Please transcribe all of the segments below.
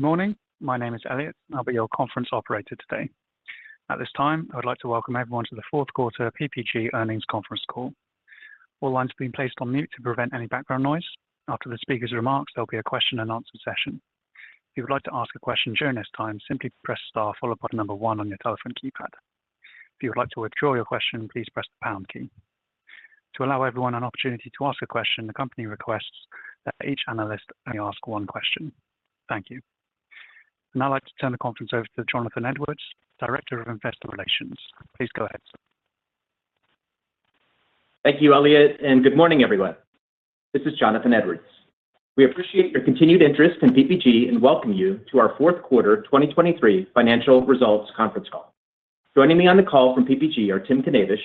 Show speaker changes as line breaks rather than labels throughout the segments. Good morning. My name is Elliot. I'll be your conference operator today. At this time, I would like to welcome everyone to the fourth quarter PPG Earnings Conference Call. All lines have been placed on mute to prevent any background noise. After the speaker's remarks, there'll be a question-and-answer session. If you would like to ask a question during this time, simply press star, followed by the number one on your telephone keypad. If you would like to withdraw your question, please press the pound key. To allow everyone an opportunity to ask a question, the company requests that each analyst only ask one question. Thank you. Now I'd like to turn the conference over to Jonathan Edwards, Director of Investor Relations. Please go ahead.
Thank you, Elliot, and good morning, everyone. This is Jonathan Edwards. We appreciate your continued interest in PPG and welcome you to our fourth quarter 2023 financial results conference call. Joining me on the call from PPG are Tim Knavish,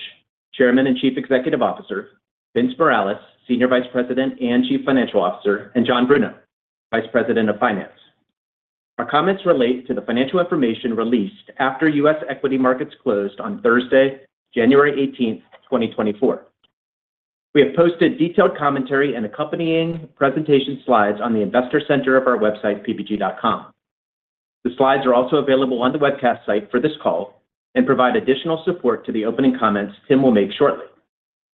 Chairman and Chief Executive Officer, Vince Morales, Senior Vice President and Chief Financial Officer, and John Bruno, Vice President of Finance. Our comments relate to the financial information released after U.S. equity markets closed on Thursday, January 18, 2024. We have posted detailed commentary and accompanying presentation slides on the Investor Center of our website, ppg.com. The slides are also available on the webcast site for this call and provide additional support to the opening comments Tim will make shortly.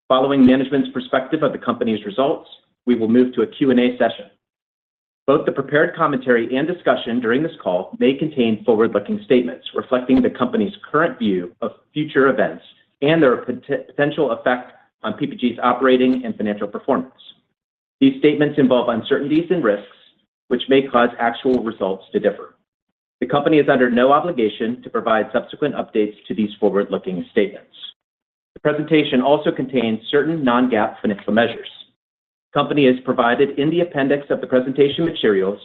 Following management's perspective of the company's results, we will move to a Q&A session. Both the prepared commentary and discussion during this call may contain forward-looking statements reflecting the company's current view of future events and their potential effect on PPG's operating and financial performance. These statements involve uncertainties and risks, which may cause actual results to differ. The company is under no obligation to provide subsequent updates to these forward-looking statements. The presentation also contains certain non-GAAP financial measures. The company has provided in the appendix of the presentation materials,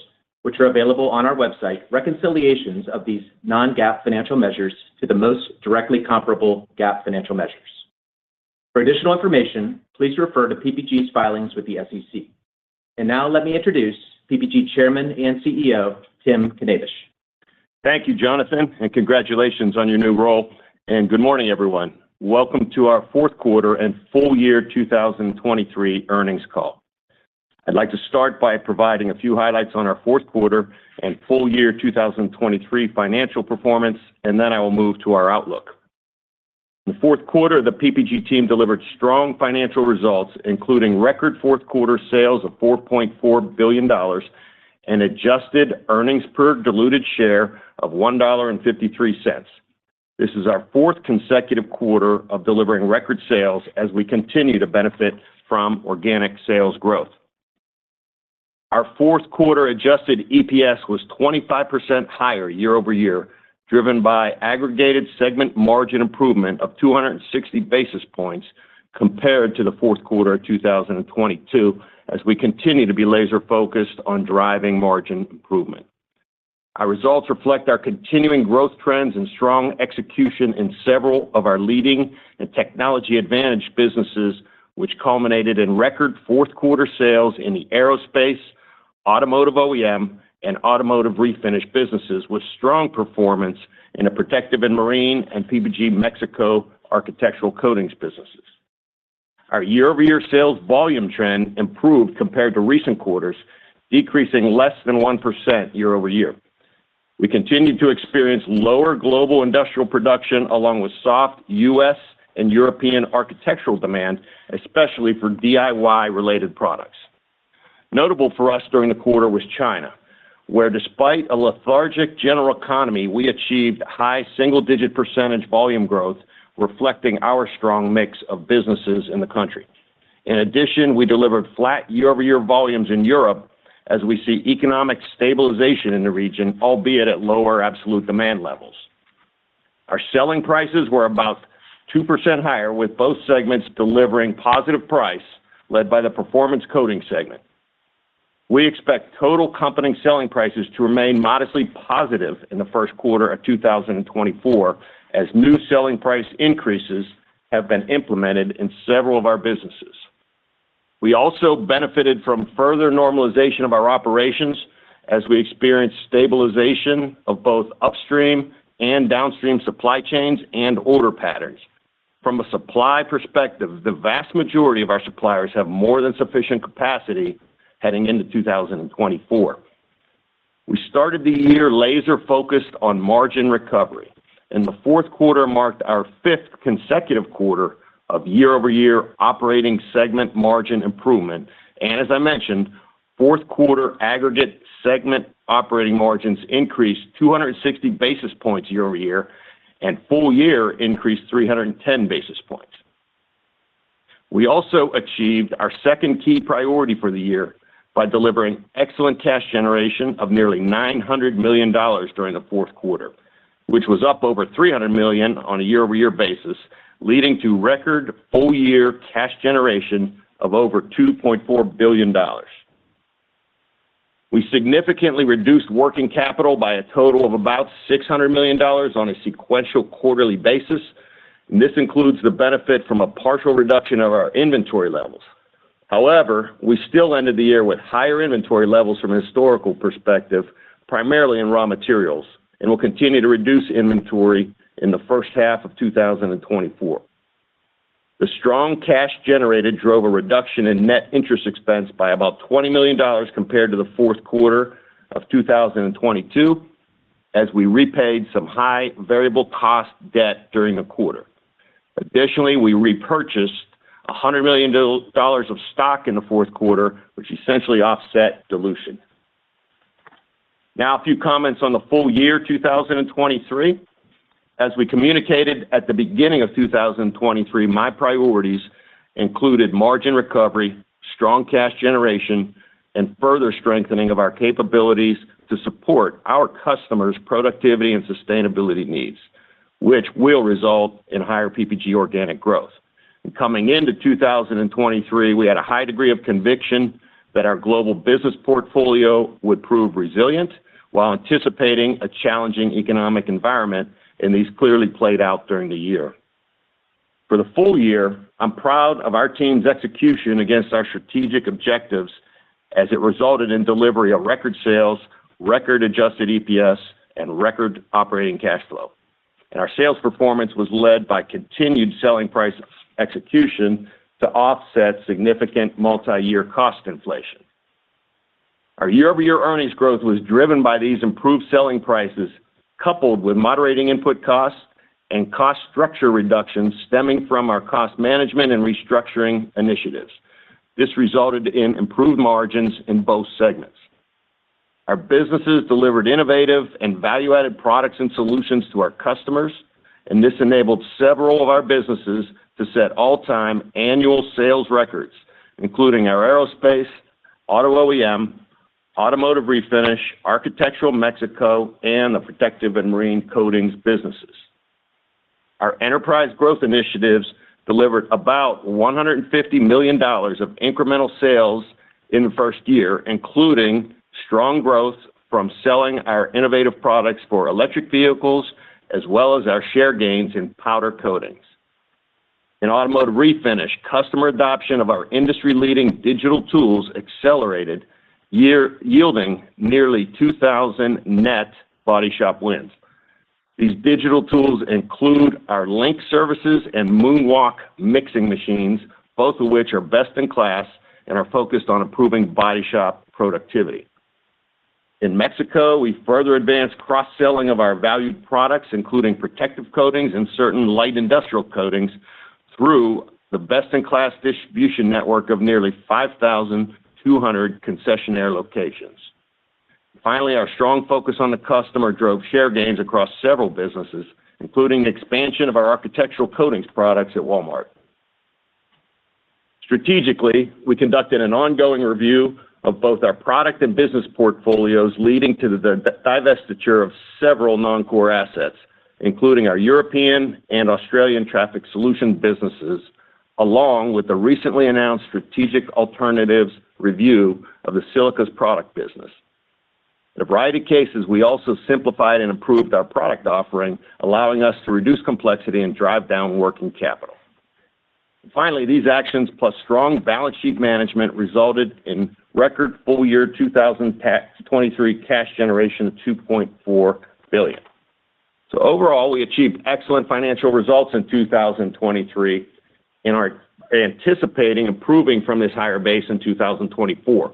which are available on our website, reconciliations of these non-GAAP financial measures to the most directly comparable GAAP financial measures. For additional information, please refer to PPG's filings with the SEC. Now, let me introduce PPG Chairman and CEO, Tim Knavish.
Thank you, Jonathan, and congratulations on your new role, and good morning, everyone. Welcome to our fourth quarter and full year 2023 earnings call. I'd like to start by providing a few highlights on our fourth quarter and full year 2023 financial performance, and then I will move to our outlook. In the fourth quarter, the PPG team delivered strong financial results, including record fourth quarter sales of $4.4 billion and adjusted earnings per diluted share of $1.53. This is our fourth consecutive quarter of delivering record sales as we continue to benefit from organic sales growth. Our fourth quarter adjusted EPS was 25% higher year-over-year, driven by aggregated segment margin improvement of 260 basis points compared to the fourth quarter of 2022, as we continue to be laser-focused on driving margin improvement. Our results reflect our continuing growth trends and strong execution in several of our leading and technology-advantaged businesses, which culminated in record fourth quarter sales in the aerospace, automotive OEM, and automotive refinish businesses, with strong performance in the protective and marine and PPG Mexico architectural coatings businesses. Our year-over-year sales volume trend improved compared to recent quarters, decreasing less than 1% year-over-year. We continued to experience lower global industrial production, along with soft U.S. and European architectural demand, especially for DIY-related products. Notable for us during the quarter was China, where despite a lethargic general economy, we achieved high single-digit % volume growth, reflecting our strong mix of businesses in the country. In addition, we delivered flat year-over-year volumes in Europe as we see economic stabilization in the region, albeit at lower absolute demand levels. Our selling prices were about 2% higher, with both segments delivering positive price, led by the performance coating segment. We expect total company selling prices to remain modestly positive in the first quarter of 2024, as new selling price increases have been implemented in several of our businesses. We also benefited from further normalization of our operations as we experienced stabilization of both upstream and downstream supply chains and order patterns. From a supply perspective, the vast majority of our suppliers have more than sufficient capacity heading into 2024. We started the year laser-focused on margin recovery, and the fourth quarter marked our fifth consecutive quarter of year-over-year operating segment margin improvement. As I mentioned, fourth quarter aggregate segment operating margins increased 260 basis points year over year, and full year increased 310 basis points. We also achieved our second key priority for the year by delivering excellent cash generation of nearly $900 million during the fourth quarter, which was up over $300 million on a year-over-year basis, leading to record full-year cash generation of over $2.4 billion. We significantly reduced working capital by a total of about $600 million on a sequential quarterly basis, and this includes the benefit from a partial reduction of our inventory levels. However, we still ended the year with higher inventory levels from a historical perspective, primarily in raw materials, and will continue to reduce inventory in the first half of 2024. Strong cash generated drove a reduction in net interest expense by about $20 million compared to the fourth quarter of 2022, as we repaid some high variable cost debt during the quarter. Additionally, we repurchased $100 million dollars of stock in the fourth quarter, which essentially offset dilution. Now, a few comments on the full year 2023. As we communicated at the beginning of 2023, my priorities included margin recovery, strong cash generation, and further strengthening of our capabilities to support our customers' productivity and sustainability needs, which will result in higher PPG organic growth. Coming into 2023, we had a high degree of conviction that our global business portfolio would prove resilient while anticipating a challenging economic environment, and these clearly played out during the year. For the full year, I'm proud of our team's execution against our strategic objectives as it resulted in delivery of record sales, record Adjusted EPS, and record operating cash flow. Our sales performance was led by continued selling price execution to offset significant multi-year cost inflation. Our year-over-year earnings growth was driven by these improved selling prices, coupled with moderating input costs and cost structure reductions stemming from our cost management and restructuring initiatives. This resulted in improved margins in both segments. Our businesses delivered innovative and value-added products and solutions to our customers, and this enabled several of our businesses to set all-time annual sales records, including our aerospace, auto OEM, automotive refinish, architectural Mexico, and the protective and marine coatings businesses. Our enterprise growth initiatives delivered about $150 million of incremental sales in the first year, including strong growth from selling our innovative products for electric vehicles, as well as our share gains in powder coatings. In automotive refinish, customer adoption of our industry-leading digital tools accelerated year-over-year, yielding nearly 2,000 net body shop wins. These digital tools include our LINQ services and MoonWalk mixing machines, both of which are best in class and are focused on improving body shop productivity. In Mexico, we further advanced cross-selling of our valued products, including protective coatings and certain light industrial coatings, through the best-in-class distribution network of nearly 5,200 concessionaire locations. Finally, our strong focus on the customer drove share gains across several businesses, including the expansion of our architectural coatings products at Walmart. Strategically, we conducted an ongoing review of both our product and business portfolios, leading to the divestiture of several non-core assets, including our European and Australian traffic solution businesses, along with the recently announced strategic alternatives review of the silicas product business. In a variety of cases, we also simplified and improved our product offering, allowing us to reduce complexity and drive down working capital. Finally, these actions, plus strong balance sheet management, resulted in record full-year 2023 cash generation of $2.4 billion. So overall, we achieved excellent financial results in 2023 and are anticipating improving from this higher base in 2024.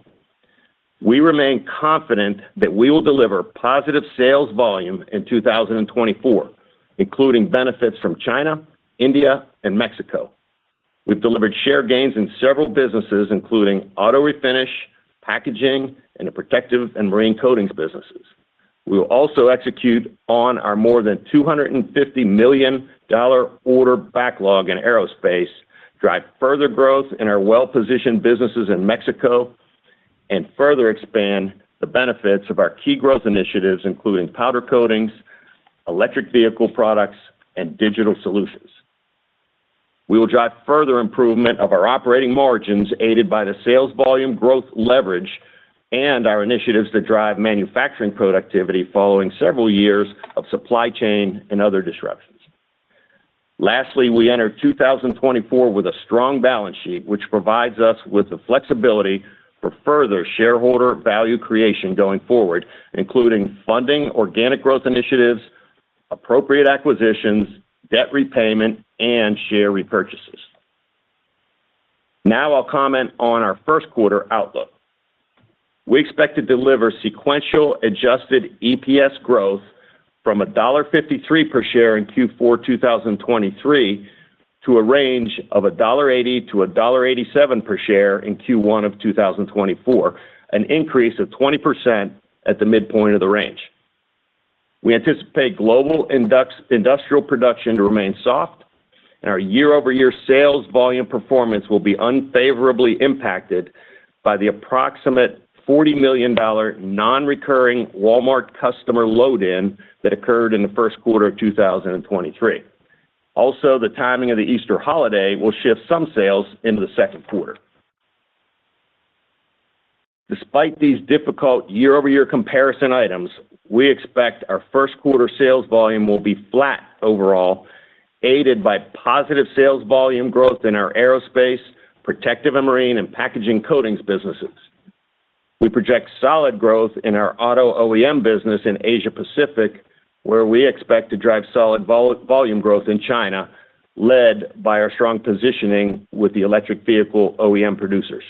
We remain confident that we will deliver positive sales volume in 2024, including benefits from China, India, and Mexico. We've delivered share gains in several businesses, including auto refinish, packaging, and the protective and marine coatings businesses. We will also execute on our more than $250 million order backlog in aerospace, drive further growth in our well-positioned businesses in Mexico, and further expand the benefits of our key growth initiatives, including powder coatings, electric vehicle products, and digital solutions. We will drive further improvement of our operating margins, aided by the sales volume growth leverage and our initiatives to drive manufacturing productivity following several years of supply chain and other disruptions. Lastly, we enter 2024 with a strong balance sheet, which provides us with the flexibility for further shareholder value creation going forward, including funding organic growth initiatives, appropriate acquisitions, debt repayment, and share repurchases. Now, I'll comment on our first quarter outlook. We expect to deliver sequential adjusted EPS growth from $1.53 per share in Q4 2023, to a range of $1.80-$1.87 per share in Q1 of 2024, a 20% increase at the midpoint of the range. We anticipate global industrial production to remain soft, and our year-over-year sales volume performance will be unfavorably impacted by the approximate $40 million non-recurring Walmart customer load-in that occurred in the first quarter of 2023. Also, the timing of the Easter holiday will shift some sales into the second quarter. Despite these difficult year-over-year comparison items, we expect our first quarter sales volume will be flat overall, aided by positive sales volume growth in our aerospace, protective and marine, and packaging coatings businesses... We project solid growth in our auto OEM business in Asia Pacific, where we expect to drive solid volume growth in China, led by our strong positioning with the electric vehicle OEM producers.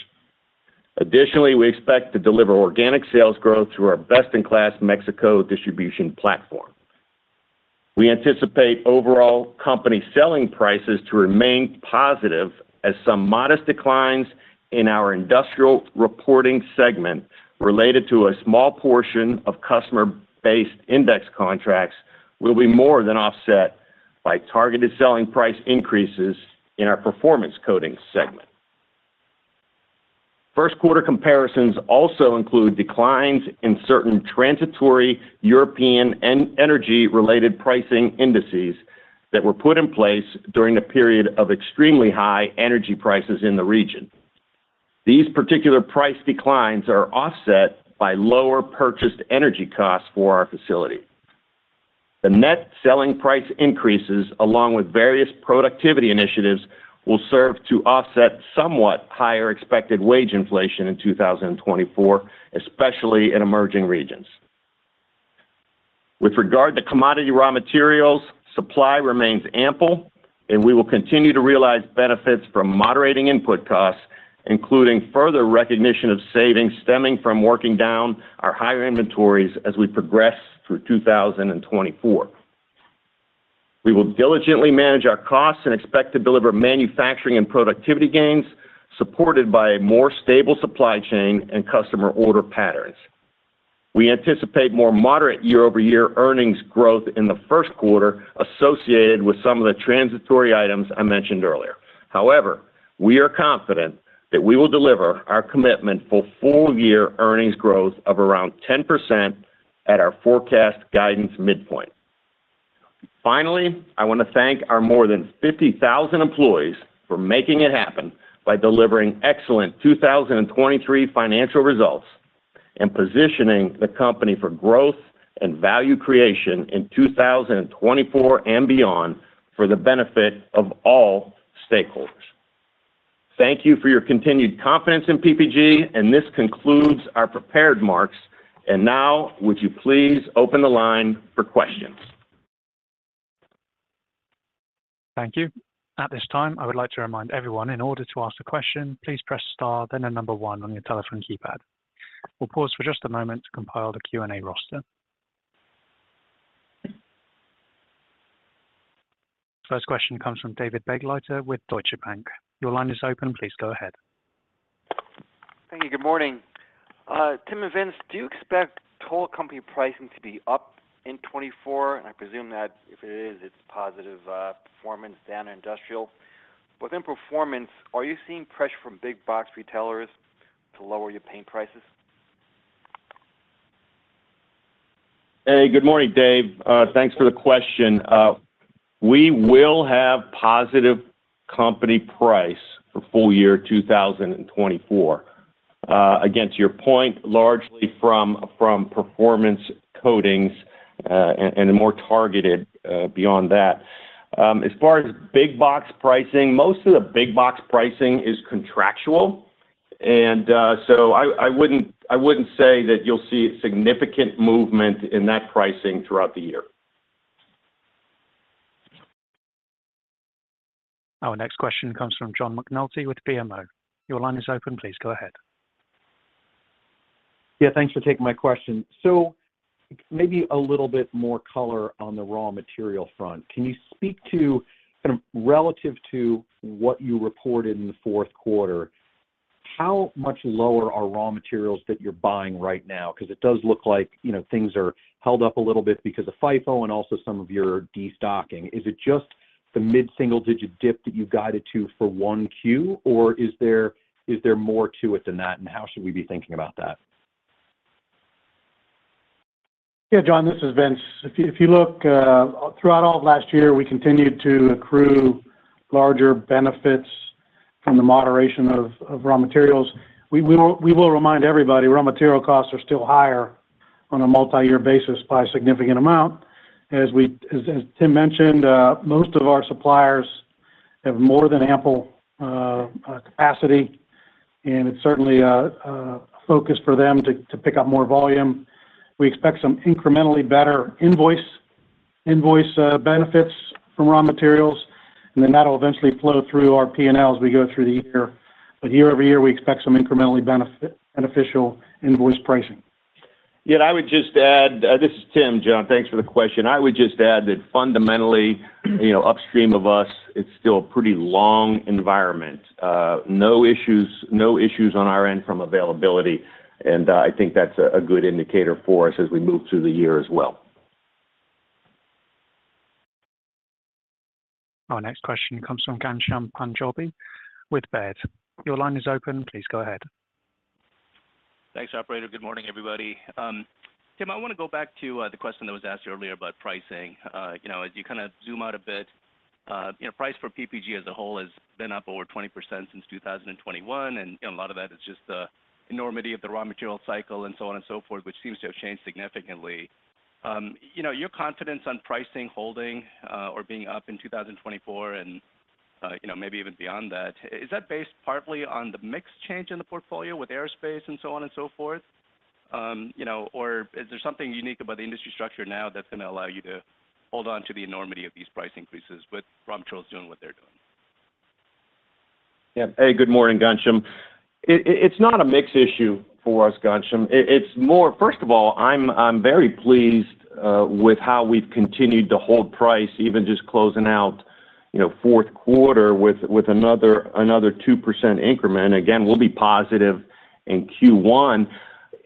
Additionally, we expect to deliver organic sales growth through our best-in-class Mexico distribution platform. We anticipate overall company selling prices to remain positive, as some modest declines in our industrial reporting segment related to a small portion of customer-based index contracts will be more than offset by targeted selling price increases in our performance coatings segment. First quarter comparisons also include declines in certain transitory European energy-related pricing indices that were put in place during the period of extremely high energy prices in the region. These particular price declines are offset by lower purchased energy costs for our facility. The net selling price increases, along with various productivity initiatives, will serve to offset somewhat higher expected wage inflation in 2024, especially in emerging regions. With regard to commodity raw materials, supply remains ample, and we will continue to realize benefits from moderating input costs, including further recognition of savings stemming from working down our higher inventories as we progress through 2024. We will diligently manage our costs and expect to deliver manufacturing and productivity gains, supported by a more stable supply chain and customer order patterns. We anticipate more moderate year-over-year earnings growth in the first quarter associated with some of the transitory items I mentioned earlier. However, we are confident that we will deliver our commitment for full-year earnings growth of around 10% at our forecast guidance midpoint. Finally, I want to thank our more than 50,000 employees for making it happen by delivering excellent 2023 financial results and positioning the company for growth and value creation in 2024 and beyond for the benefit of all stakeholders. Thank you for your continued confidence in PPG, and this concludes our prepared remarks. Now, would you please open the line for questions?
Thank you. At this time, I would like to remind everyone, in order to ask a question, please press star, then the number 1 on your telephone keypad. We'll pause for just a moment to compile the Q&A roster. First question comes from David Begleiter with Deutsche Bank. Your line is open. Please go ahead.
Thank you. Good morning. Tim and Vince, do you expect total company pricing to be up in 2024? And I presume that if it is, it's positive performance down in industrial. Within performance, are you seeing pressure from big box retailers to lower your paint prices?
Hey, good morning, Dave. Thanks for the question. We will have positive company price for full year 2024. Again, to your point, largely from, from performance coatings, and, and more targeted, beyond that. As far as big box pricing, most of the big box pricing is contractual, and, so I, I wouldn't, I wouldn't say that you'll see significant movement in that pricing throughout the year.
Our next question comes from John McNulty with BMO. Your line is open. Please go ahead.
Yeah, thanks for taking my question. So maybe a little bit more color on the raw material front. Can you speak to, kind of, relative to what you reported in the fourth quarter, how much lower are raw materials that you're buying right now? Because it does look like, you know, things are held up a little bit because of FIFO and also some of your destocking. Is it just the mid-single-digit dip that you guided to for 1Q, or is there, is there more to it than that, and how should we be thinking about that?
Yeah, John, this is Vince. If you look throughout all of last year, we continued to accrue larger benefits from the moderation of raw materials. We will remind everybody, raw material costs are still higher on a multi-year basis by a significant amount. As Tim mentioned, most of our suppliers have more than ample capacity, and it's certainly a focus for them to pick up more volume. We expect some incrementally better invoice benefits from raw materials, and then that'll eventually flow through our P&L as we go through the year. But year over year, we expect some incrementally beneficial invoice pricing.
Yeah, I would just add, this is Tim, John. Thanks for the question. I would just add that fundamentally, you know, upstream of us, it's still a pretty long environment. No issues, no issues on our end from availability, and I think that's a good indicator for us as we move through the year as well.
Our next question comes from Ghansham Panjabi with Baird. Your line is open. Please go ahead.
Thanks, operator. Good morning, everybody. Tim, I want to go back to the question that was asked earlier about pricing. You know, as you kind of zoom out a bit, you know, price for PPG as a whole has been up over 20% since 2021, and, you know, a lot of that is just the enormity of the raw material cycle and so on and so forth, which seems to have changed significantly. You know, your confidence on pricing holding, or being up in 2024, and just-...
you know, maybe even beyond that. Is that based partly on the mix change in the portfolio with aerospace and so on and so forth? You know, or is there something unique about the industry structure now that's gonna allow you to hold on to the enormity of these price increases with raw materials doing what they're doing?
Yeah. Hey, good morning, Ghansham. It's not a mix issue for us, Ghansham. It's more. First of all, I'm very pleased with how we've continued to hold price, even just closing out, you know, fourth quarter with another 2% increment. Again, we'll be positive in Q1.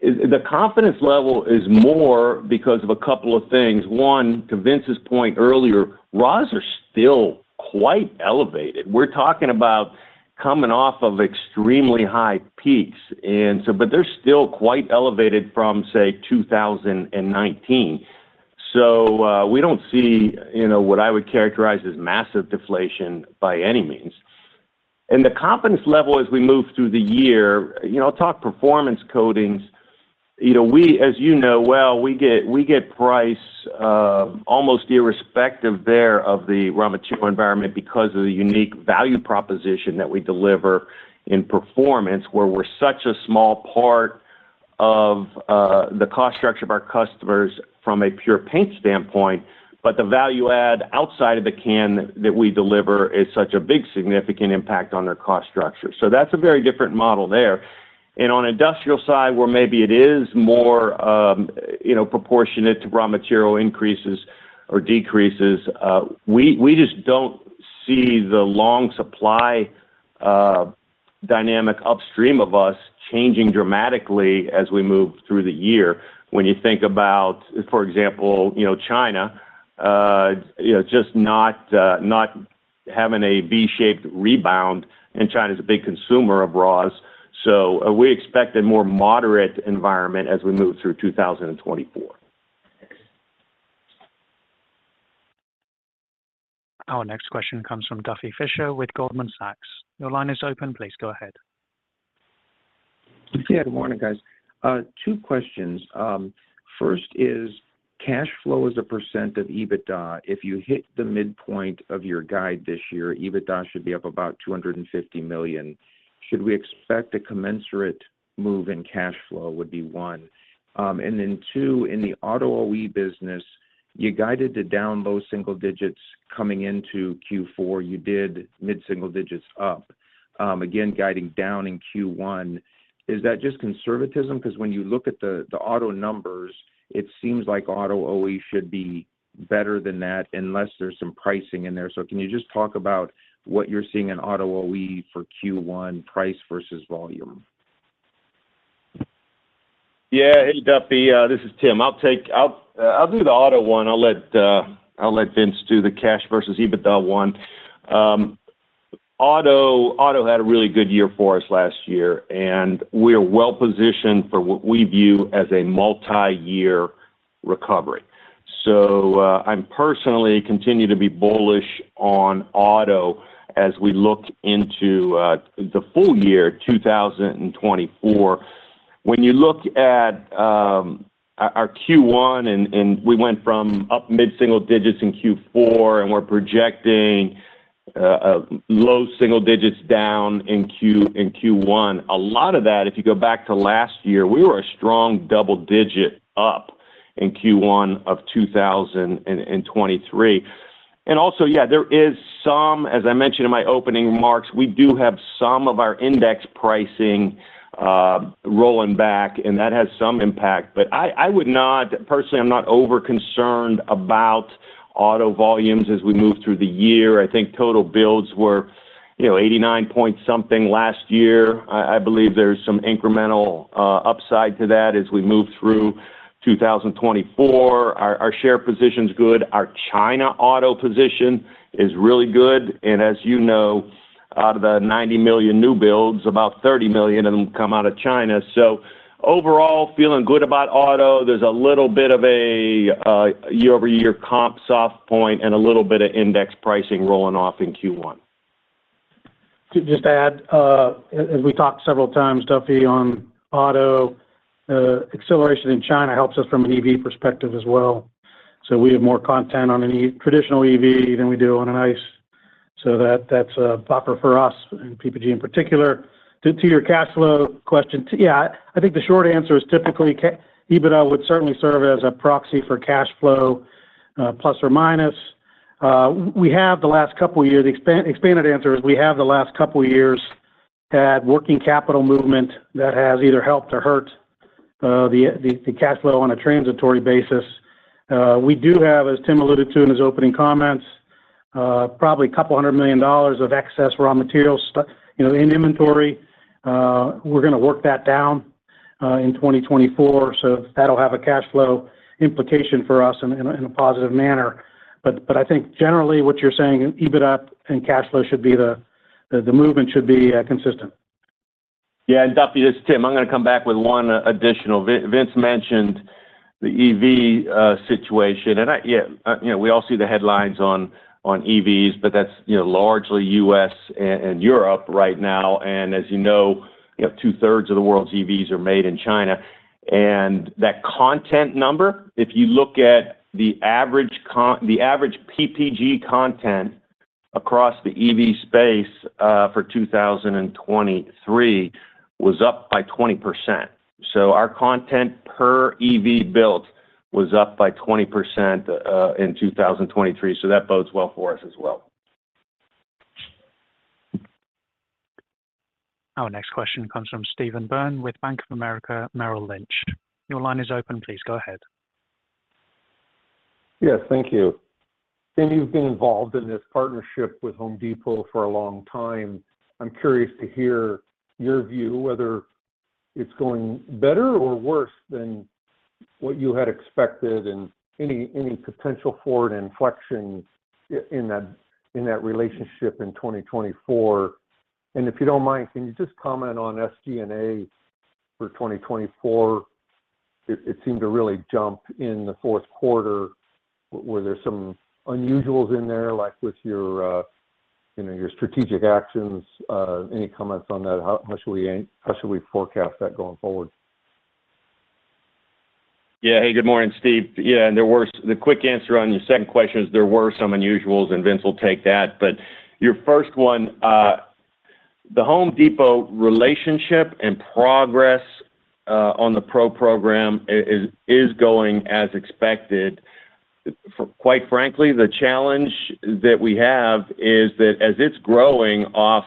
The confidence level is more because of a couple of things. One, to Vince's point earlier, raws are still quite elevated. We're talking about coming off of extremely high peaks, and so, but they're still quite elevated from, say, 2019. So, we don't see, you know, what I would characterize as massive deflation by any means. The confidence level as we move through the year, you know, talk performance coatings, you know, we, as you know well, we get price almost irrespective thereof of the raw material environment because of the unique value proposition that we deliver in performance, where we're such a small part of the cost structure of our customers from a pure paint standpoint, but the value add outside of the can that we deliver is such a big, significant impact on their cost structure. So that's a very different model there. On industrial side, where maybe it is more, you know, proportionate to raw material increases or decreases, we just don't see the long supply dynamic upstream of us changing dramatically as we move through the year. When you think about, for example, you know, China, you know, just not having a V-shaped rebound, and China is a big consumer of raws. So we expect a more moderate environment as we move through 2024.
Our next question comes from Duffy Fischer with Goldman Sachs. Your line is open. Please go ahead.
Yeah, good morning, guys. Two questions. First is, cash flow as a % of EBITDA. If you hit the midpoint of your guide this year, EBITDA should be up about $250 million. Should we expect a commensurate move in cash flow, would be one. And then two, in the auto OEM business, you guided to down low single digits coming into Q4. You did mid-single digits up, again, guiding down in Q1. Is that just conservatism? Because when you look at the, the auto numbers, it seems like auto OEM should be better than that unless there's some pricing in there. So can you just talk about what you're seeing in auto OEM for Q1 price versus volume?
Yeah. Hey, Duffy, this is Tim. I'll do the auto one. I'll let Vince do the cash versus EBITDA one. Auto had a really good year for us last year, and we are well positioned for what we view as a multi-year recovery. So, I'm personally continue to be bullish on auto as we look into the full year, 2024. When you look at our Q1, we went from up mid single digits in Q4, and we're projecting low single digits down in Q1. A lot of that, if you go back to last year, we were a strong double digit up in Q1 of 2023. Also, yeah, there is some, as I mentioned in my opening remarks, we do have some of our index pricing rolling back, and that has some impact, but I would not—personally, I'm not overly concerned about auto volumes as we move through the year. I think total builds were, you know, 89 point something last year. I believe there's some incremental upside to that as we move through 2024. Our share position's good. Our China auto position is really good, and as you know, out of the 90 million new builds, about 30 million of them come out of China. So overall, feeling good about auto. There's a little bit of a year-over-year comp soft point and a little bit of index pricing rolling off in Q1.
To just add, as we talked several times, Duffy, on auto, acceleration in China helps us from an EV perspective as well. So we have more content on an EV than we do on a traditional ICE. So that's a booster for us and PPG in particular. To your cash flow question, yeah, I think the short answer is typically cash EBITDA would certainly serve as a proxy for cash flow, plus or minus. The expanded answer is we have the last couple of years had working capital movement that has either helped or hurt the cash flow on a transitory basis. We do have, as Tim alluded to in his opening comments, probably $200 million of excess raw materials stuff, you know, in inventory. We're gonna work that down in 2024, so that'll have a cash flow implication for us in a positive manner. But I think generally what you're saying, EBITDA and cash flow should be the—the movement should be consistent.
Yeah, and Duffy, this is Tim. I'm gonna come back with one additional. Vince mentioned the EV situation, and I, yeah, you know, we all see the headlines on EVs, but that's, you know, largely US and Europe right now. And as you know, you know, two-thirds of the world's EVs are made in China. And that content number, if you look at the average content, the average PPG content across the EV space for 2023 was up by 20%. So our content per EV built was up by 20% in 2023, so that bodes well for us as well.
Our next question comes from Steven Byrne with Bank of America Merrill Lynch. Your line is open. Please go ahead.
Yes, thank you. Tim, you've been involved in this partnership with Home Depot for a long time. I'm curious to hear your view, whether it's going better or worse than what you had expected, and any potential forward inflection in that relationship in 2024. And if you don't mind, can you just comment on SG&A for 2024? It seemed to really jump in the fourth quarter. Were there some unusuals in there, like with your, you know, your strategic actions? Any comments on that? How should we forecast that going forward?
Yeah. Hey, good morning, Steve. Yeah, and there were some unusuals, and Vince will take that. But your first one, the Home Depot relationship and progress on the Pro program is going as expected. Quite frankly, the challenge that we have is that as it's growing off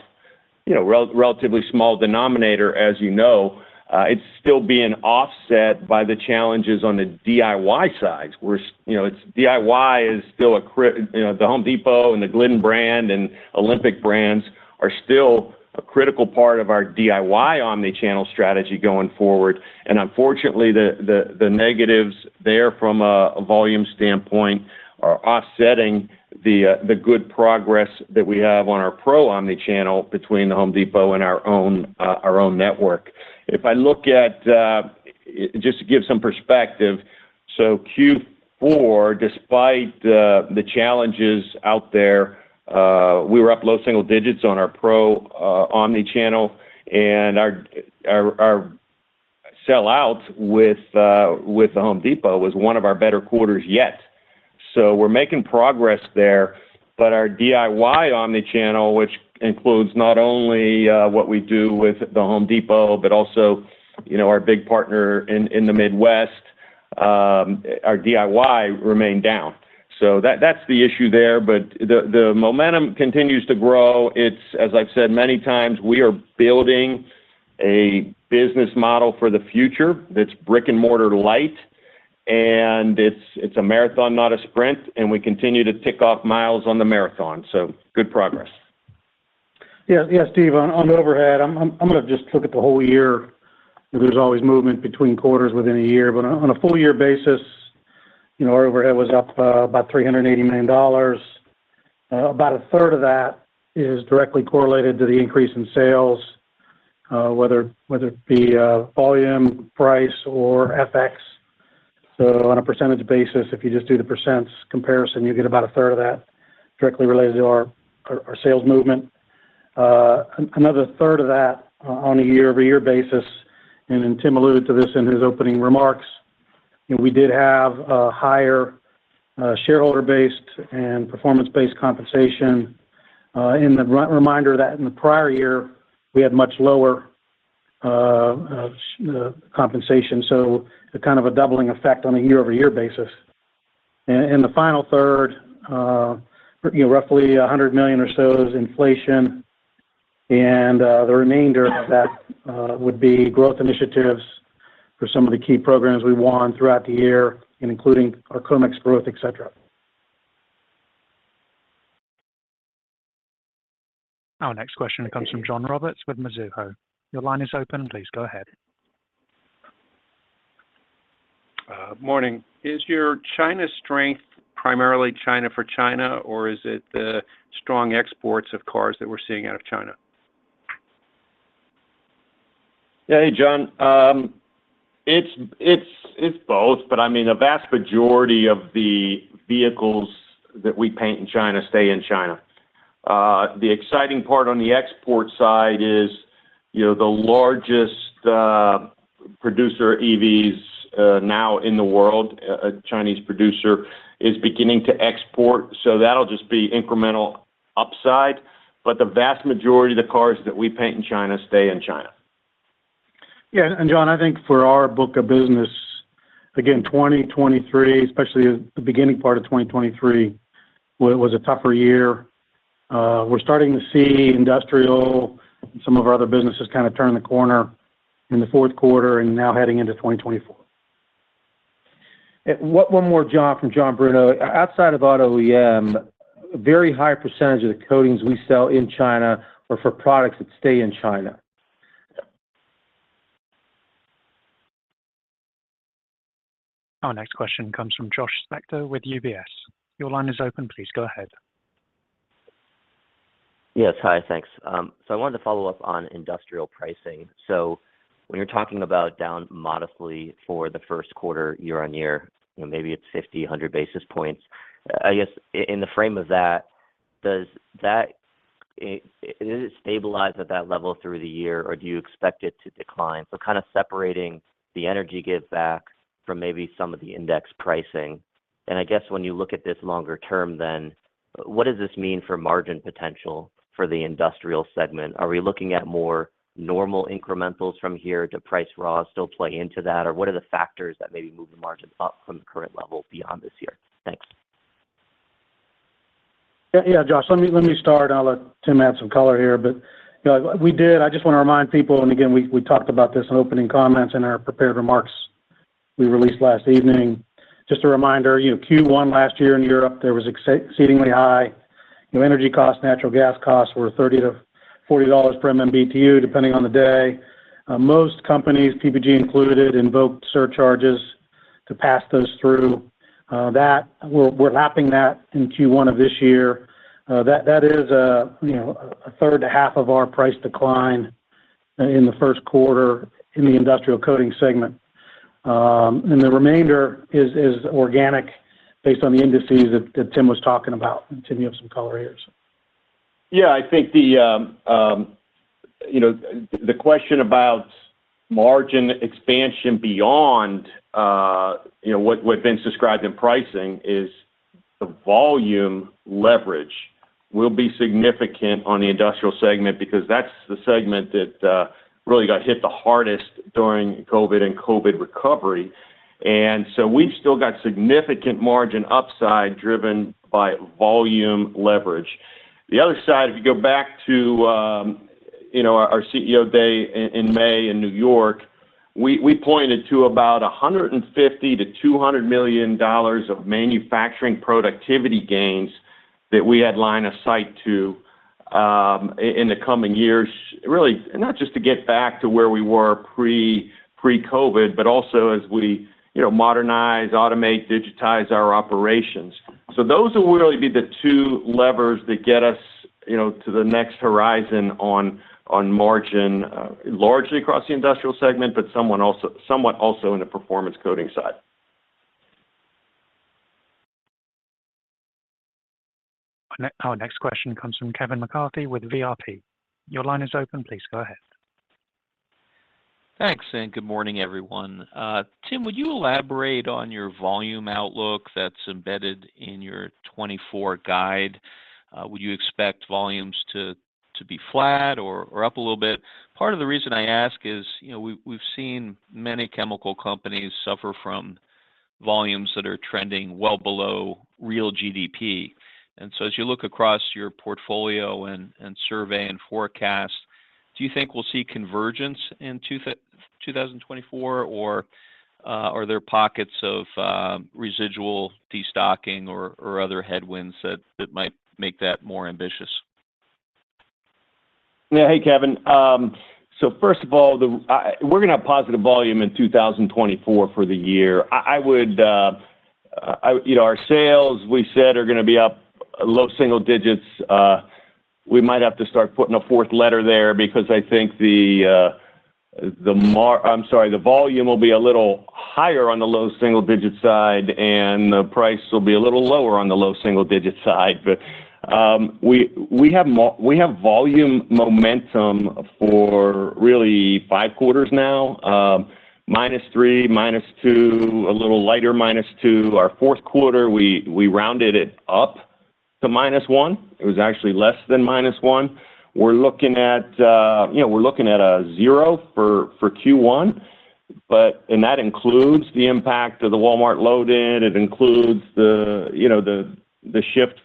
a relatively small denominator as you know, it's still being offset by the challenges on the DIY side. Where, you know, it's DIY is still a critical part of our DIY omni-channel strategy going forward, you know, the Home Depot and the Glidden brand and Olympic brands are still a critical part of our DIY omni-channel strategy going forward. Unfortunately, the negatives there from a volume standpoint are offsetting the good progress that we have on our Pro omni-channel between The Home Depot and our own network. If I look at, just to give some perspective, so Q4, despite the challenges out there, we were up low single digits on our Pro omni-channel, and our sell-out with the Home Depot was one of our better quarters yet. So we're making progress there, but our DIY omni-channel, which includes not only what we do with the Home Depot, but also, you know, our big partner in the Midwest, our DIY remained down. So that's the issue there, but the momentum continues to grow. It's, as I've said many times, we are building a business model for the future that's brick-and-mortar light, and it's, it's a marathon, not a sprint, and we continue to tick off miles on the marathon, so good progress.
Yeah, yeah, Steve, on the overhead, I'm gonna just look at the whole year. There's always movement between quarters within a year. But on a full year basis, you know, our overhead was up about $380 million. About a third of that is directly correlated to the increase in sales, whether it be volume, price or FX. So on a percentage basis, if you just do the percents comparison, you get about a third of that directly related to our sales movement. Another third of that on a year-over-year basis, and then Tim alluded to this in his opening remarks, and we did have a higher shareholder-based and performance-based compensation. And the reminder that in the prior year, we had much lower compensation, so a kind of a doubling effect on a year-over-year basis. And the final third, you know, roughly $100 million or so is inflation, and the remainder of that would be growth initiatives for some of the key programs we won throughout the year, and including our Comex growth, et cetera.
Our next question comes from John Roberts with Mizuho. Your line is open. Please go ahead.
Morning. Is your China strength primarily China for China, or is it the strong exports of cars that we're seeing out of China?
Yeah. Hey, John. It's both, but I mean, a vast majority of the vehicles that we paint in China stay in China. The exciting part on the export side is, you know, the largest producer EVs now in the world, a Chinese producer, is beginning to export, so that'll be incremental upside. But the vast majority of the cars that we paint in China stay in China.
Yeah, and John, I think for our book of business, again, 2023, especially the beginning part of 2023, was a tougher year. We're starting to see industrial and some of our other businesses kind of turn the corner in the fourth quarter and now heading into 2024.
One more, John, from John Bruno. Outside of auto OEM, a very high percentage of the coatings we sell in China are for products that stay in China.
Our next question comes from Josh Spector with UBS. Your line is open. Please go ahead.
Yes, hi. Thanks. So I wanted to follow up on industrial pricing. So when you're talking about down modestly for the first quarter, year-on-year, you know, maybe it's 50, 100 basis points. I guess in the frame of that, does that and is it stabilized at that level through the year, or do you expect it to decline? So kind of separating the energy giveback from maybe some of the index pricing. And I guess when you look at this longer term, then what does this mean for margin potential for the industrial segment? Are we looking at more normal incrementals from here? Do price raw still play into that? Or what are the factors that maybe move the margins up from the current level beyond this year? Thanks.
Yeah, yeah, Josh, let me, let me start, and I'll let Tim add some color here. But, you know, we did—I just wanna remind people, and again, we, we talked about this in opening comments in our prepared remarks we released last evening. Just a reminder, you know, Q1 last year in Europe, there was exceedingly high. You know, energy costs, natural gas costs were $30-$40 per MMBtu, depending on the day. Most companies, PPG included, invoked surcharges to pass those through. That, we're, we're lapping that in Q1 of this year. That, that is a, you know, a third to half of our price decline in the first quarter in the industrial coatings segment. And the remainder is, is organic, based on the indices that, that Tim was talking about. Tim, you have some color here.
Yeah, I think you know, the question about margin expansion beyond, you know, what Vince described in pricing is the volume leverage will be significant on the industrial segment because that's the segment that really got hit the hardest during COVID and COVID recovery. And so we've still got significant margin upside, driven by volume leverage. The other side, if you go back to, you know, our CEO Day in May, in New York, we pointed to about $150 million-$200 million of manufacturing productivity gains that we had line of sight to in the coming years. Really, not just to get back to where we were pre-COVID, but also as we, you know, modernize, automate, digitize our operations. So those will really be the two levers that get us, you know, to the next horizon on margin, largely across the industrial segment, but somewhat also in the performance coatings side.
Our next question comes from Kevin McCarthy with VRP. Your line is open, please go ahead.
Thanks, and good morning, everyone. Tim, would you elaborate on your volume outlook that's embedded in your 2024 guide? Would you expect volumes to be flat or up a little bit? Part of the reason I ask is, you know, we've seen many chemical companies suffer from volumes that are trending well below real GDP. And so as you look across your portfolio and survey and forecast, do you think we'll see convergence in 2024, or are there pockets of residual destocking or other headwinds that might make that more ambitious?
Yeah. Hey, Kevin. So first of all, we're gonna have positive volume in 2024 for the year. You know, our sales, we said, are gonna be up low single digits. We might have to start putting a fourth letter there because I think, I'm sorry, the volume will be a little higher on the low single digit side, and the price will be a little lower on the low single digit side. But we have volume momentum for really 5 quarters now. Minus 3, minus 2, a little lighter, minus 2. Our fourth quarter, we rounded it up to minus 1. It was actually less than minus 1. We're looking at, you know, we're looking at a 0 for Q1, but and that includes the impact of the Walmart load-in. It includes the, you know, the shift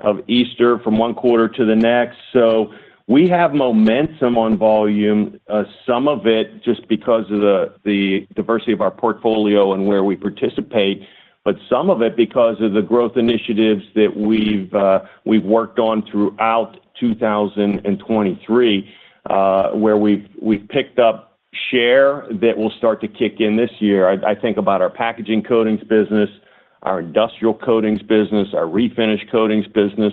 of Easter from one quarter to the next. So we have momentum on volume, some of it just because of the diversity of our portfolio and where we participate, but some of it because of the growth initiatives that we've worked on throughout 2023, where we've picked up share that will start to kick in this year. I think about our packaging coatings business, our industrial coatings business, our refinished coatings business.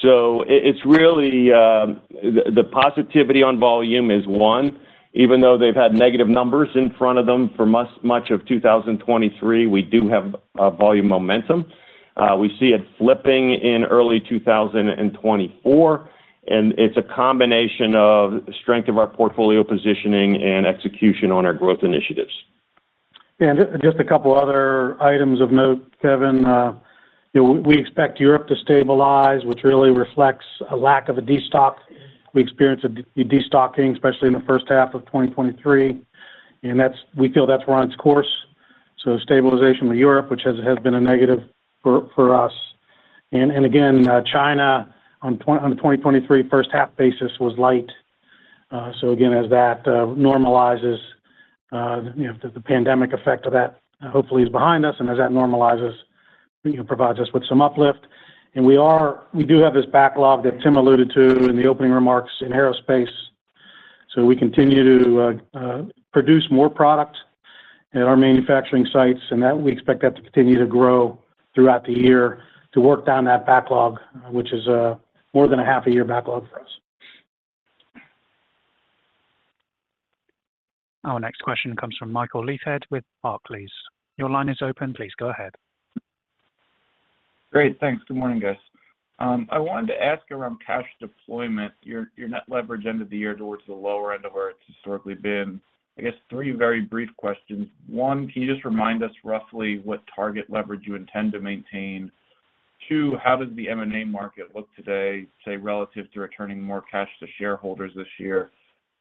So it's really, the positivity on volume is one. Even though they've had negative numbers in front of them for much of 2023, we do have volume momentum. We see it flipping in early 2024, and it's a combination of strength of our portfolio positioning and execution on our growth initiatives.
Just a couple of other items of note, Kevin. You know, we expect Europe to stabilize, which really reflects a lack of a destock. We experienced a destocking, especially in the first half of 2023, and that's, we feel that's run its course. So stabilization with Europe, which has been a negative for us. And again, China, on the 2023 first half basis, was light. So again, as that normalizes, you know, the pandemic effect of that hopefully is behind us, and as that normalizes, you know, provides us with some uplift. And we do have this backlog that Tim alluded to in the opening remarks in aerospace. We continue to produce more product at our manufacturing sites, and that we expect to continue to grow throughout the year, to work down that backlog, which is more than a half a year backlog for us....
Our next question comes from Michael Leithead with Barclays. Your line is open, please go ahead.
Great. Thanks. Good morning, guys. I wanted to ask around cash deployment, your net leverage end of the year towards the lower end of where it's historically been. I guess, three very brief questions. One, can you just remind us roughly what target leverage you intend to maintain? Two, how does the M&A market look today, say, relative to returning more cash to shareholders this year?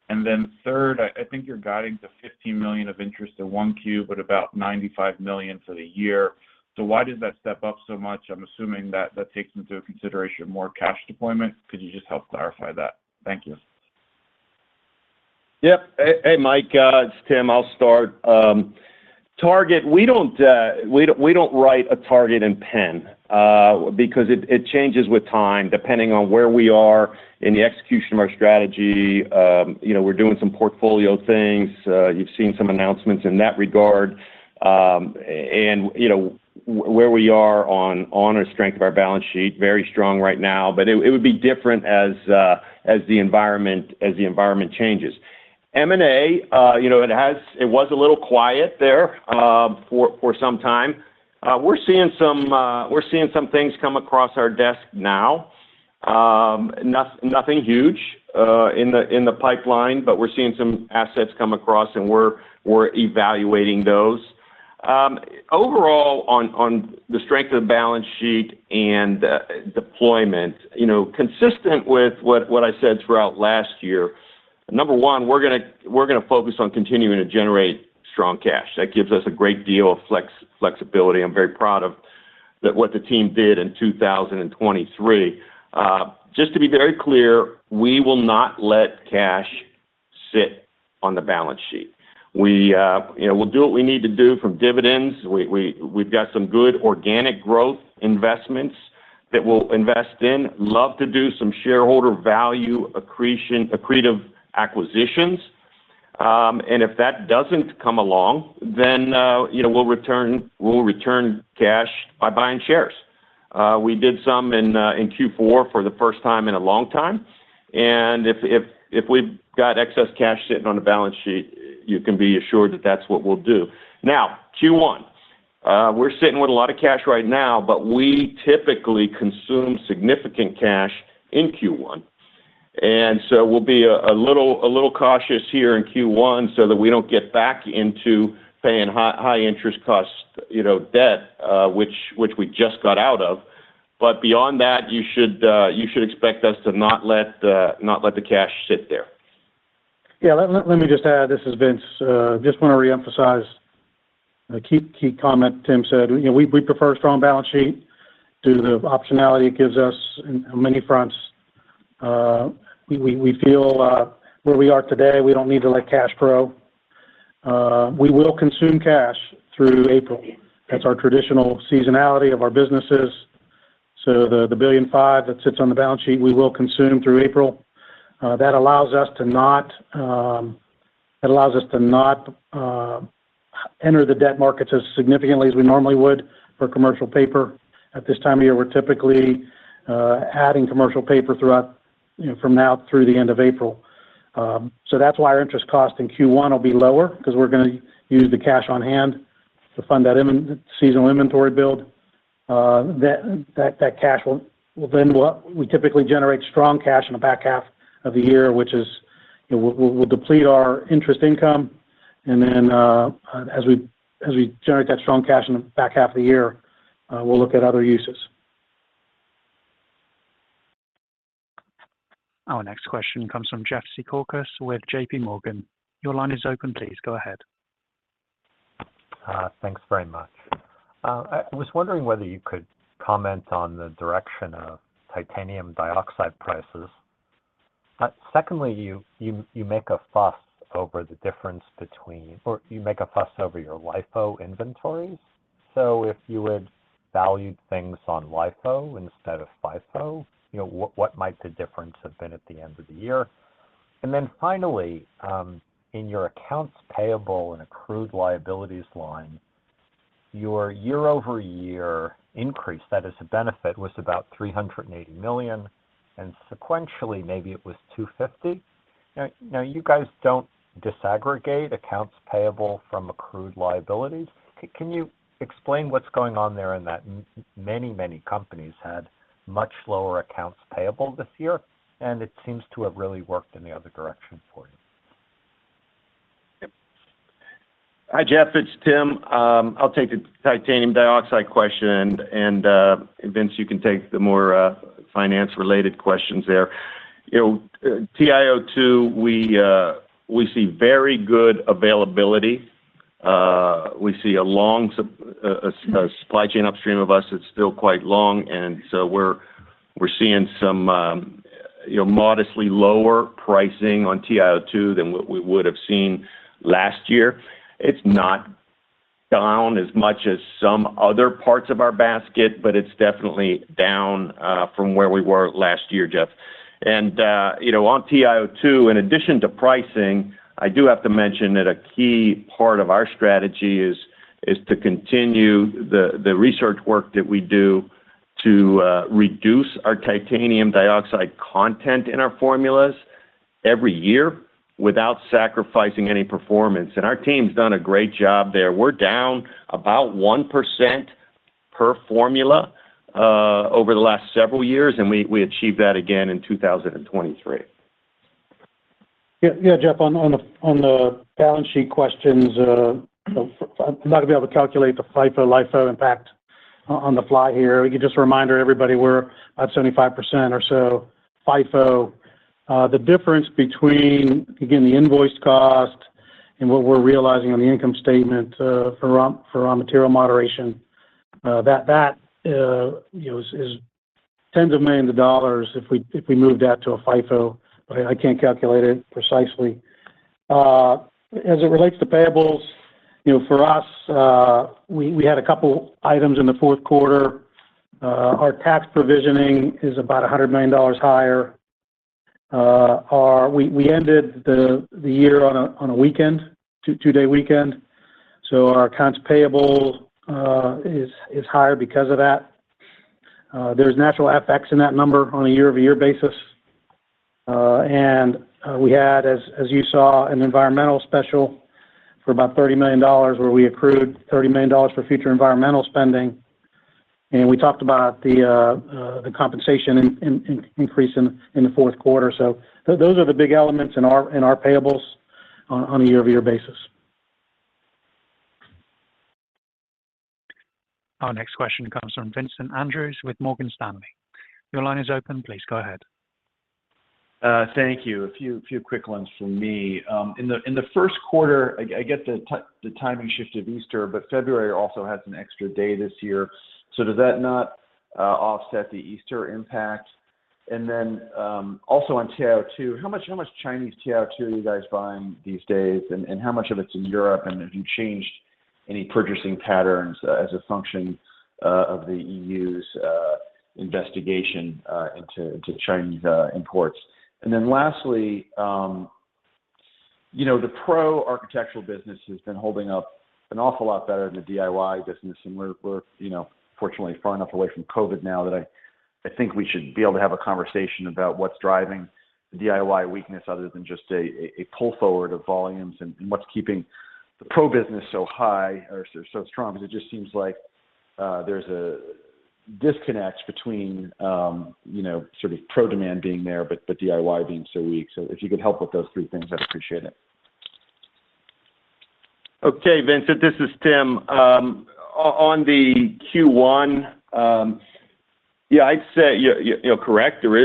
And then third, I think you're guiding to $15 million of interest in 1Q, but about $95 million for the year. So why does that step up so much? I'm assuming that that takes into consideration more cash deployment. Could you just help clarify that? Thank you.
Yep. Hey, hey, Mike, it's Tim. I'll start. Target, we don't write a target in pen because it changes with time, depending on where we are in the execution of our strategy. You know, we're doing some portfolio things. You've seen some announcements in that regard. And, you know, where we are on our strength of our balance sheet, very strong right now, but it would be different as the environment changes. M&A, you know, it was a little quiet there for some time. We're seeing some things come across our desk now. Nothing huge in the pipeline, but we're seeing some assets come across, and we're evaluating those. Overall, on the strength of the balance sheet and deployment, you know, consistent with what I said throughout last year, number one, we're gonna focus on continuing to generate strong cash. That gives us a great deal of flexibility. I'm very proud of what the team did in 2023. Just to be very clear, we will not let cash sit on the balance sheet. We, you know, we'll do what we need to do from dividends. We've got some good organic growth investments that we'll invest in. Love to do some shareholder value accretive acquisitions. And if that doesn't come along, then, you know, we'll return cash by buying shares. We did some in Q4 for the first time in a long time, and if we've got excess cash sitting on the balance sheet, you can be assured that that's what we'll do. Now, Q1. We're sitting with a lot of cash right now, but we typically consume significant cash in Q1, and so we'll be a little cautious here in Q1 so that we don't get back into paying high interest costs, you know, debt, which we just got out of. But beyond that, you should expect us to not let the cash sit there.
Yeah, let me just add. This is Vince. Just want to reemphasize a key comment Tim said. You know, we prefer a strong balance sheet due to the optionality it gives us in many fronts. We feel where we are today, we don't need to let cash grow. We will consume cash through April. That's our traditional seasonality of our businesses. So the $1.5 billion that sits on the balance sheet, we will consume through April. That allows us to not, it allows us to not enter the debt markets as significantly as we normally would for commercial paper. At this time of year, we're typically adding commercial paper throughout, you know, from now through the end of April. So that's why our interest cost in Q1 will be lower, because we're gonna use the cash on hand to fund that seasonal inventory build. That cash will then--we typically generate strong cash in the back half of the year, which is, you know, we'll deplete our interest income, and then, as we generate that strong cash in the back half of the year, we'll look at other uses.
Our next question comes from Jeffrey Zekauskas with JP Morgan. Your line is open. Please, go ahead.
Thanks very much. I was wondering whether you could comment on the direction of titanium dioxide prices. Secondly, you make a fuss over your LIFO inventories. So if you had valued things on LIFO instead of FIFO, you know, what might the difference have been at the end of the year? And then finally, in your accounts payable and accrued liabilities line, your year-over-year increase, that is, the benefit, was about $380 million, and sequentially, maybe it was $250. Now, you guys don't disaggregate accounts payable from accrued liabilities. Can you explain what's going on there in that? Many companies had much lower accounts payable this year, and it seems to have really worked in the other direction for you.
Yep. Hi, Jeff, it's Tim. I'll take the titanium dioxide question, and Vince, you can take the more finance-related questions there. You know, TiO2, we see very good availability. We see a long supply chain upstream of us that's still quite long, and so we're seeing some, you know, modestly lower pricing on TiO2 than what we would have seen last year. It's not down as much as some other parts of our basket, but it's definitely down from where we were last year, Jeff. And you know, on TiO2, in addition to pricing, I do have to mention that a key part of our strategy is to continue the research work that we do.... to reduce our titanium dioxide content in our formulas every year without sacrificing any performance, and our team's done a great job there. We're down about 1% per formula over the last several years, and we achieved that again in 2023.
Yeah, yeah, Jeff, on the balance sheet questions, I'm not gonna be able to calculate the FIFO, LIFO impact on the fly here. We can just remind everybody, we're at 75% or so FIFO. The difference between, again, the invoice cost and what we're realizing on the income statement, for raw material moderation, that, you know, is $ tens of millions if we moved that to a FIFO, but I can't calculate it precisely. As it relates to payables, you know, for us, we had a couple items in the fourth quarter. Our tax provisioning is about $100 million higher. We ended the year on a two-day weekend, so our accounts payable is higher because of that. There's natural FX in that number on a year-over-year basis. And we had, as you saw, an environmental special for about $30 million, where we accrued $30 million for future environmental spending. And we talked about the compensation increase in the fourth quarter. So those are the big elements in our payables on a year-over-year basis.
Our next question comes from Vincent Andrews with Morgan Stanley. Your line is open. Please go ahead.
Thank you. A few quick ones from me. In the first quarter, I get the timing shift of Easter, but February also had some extra day this year. So does that not offset the Easter impact? And then, also on TiO2, how much Chinese TiO2 are you guys buying these days? And how much of it's in Europe, and have you changed any purchasing patterns as a function of the EU's investigation into Chinese imports? And then lastly, you know, the Pro architectural business has been holding up an awful lot better than the DIY business, and we're, you know, fortunately far enough away from COVID now that I think we should be able to have a conversation about what's driving the DIY weakness other than just a pull forward of volumes and what's keeping the Pro business so high or so strong. Because it just seems like there's a disconnect between, you know, sort of Pro demand being there, but the DIY being so weak. So if you could help with those three things, I'd appreciate it.
Okay, Vincent, this is Tim. On the Q1, yeah, I'd say, yeah, you know, correct, there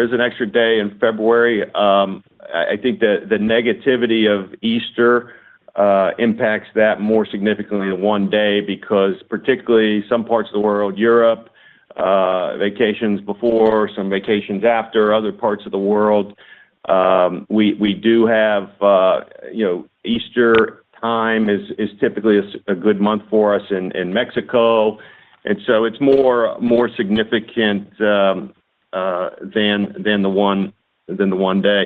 is an extra day in February. I think the negativity of Easter impacts that more significantly than one day, because particularly some parts of the world, Europe, vacations before, some vacations after, other parts of the world, we do have, you know, Easter time is typically a good month for us in Mexico. And so it's more significant than the one day.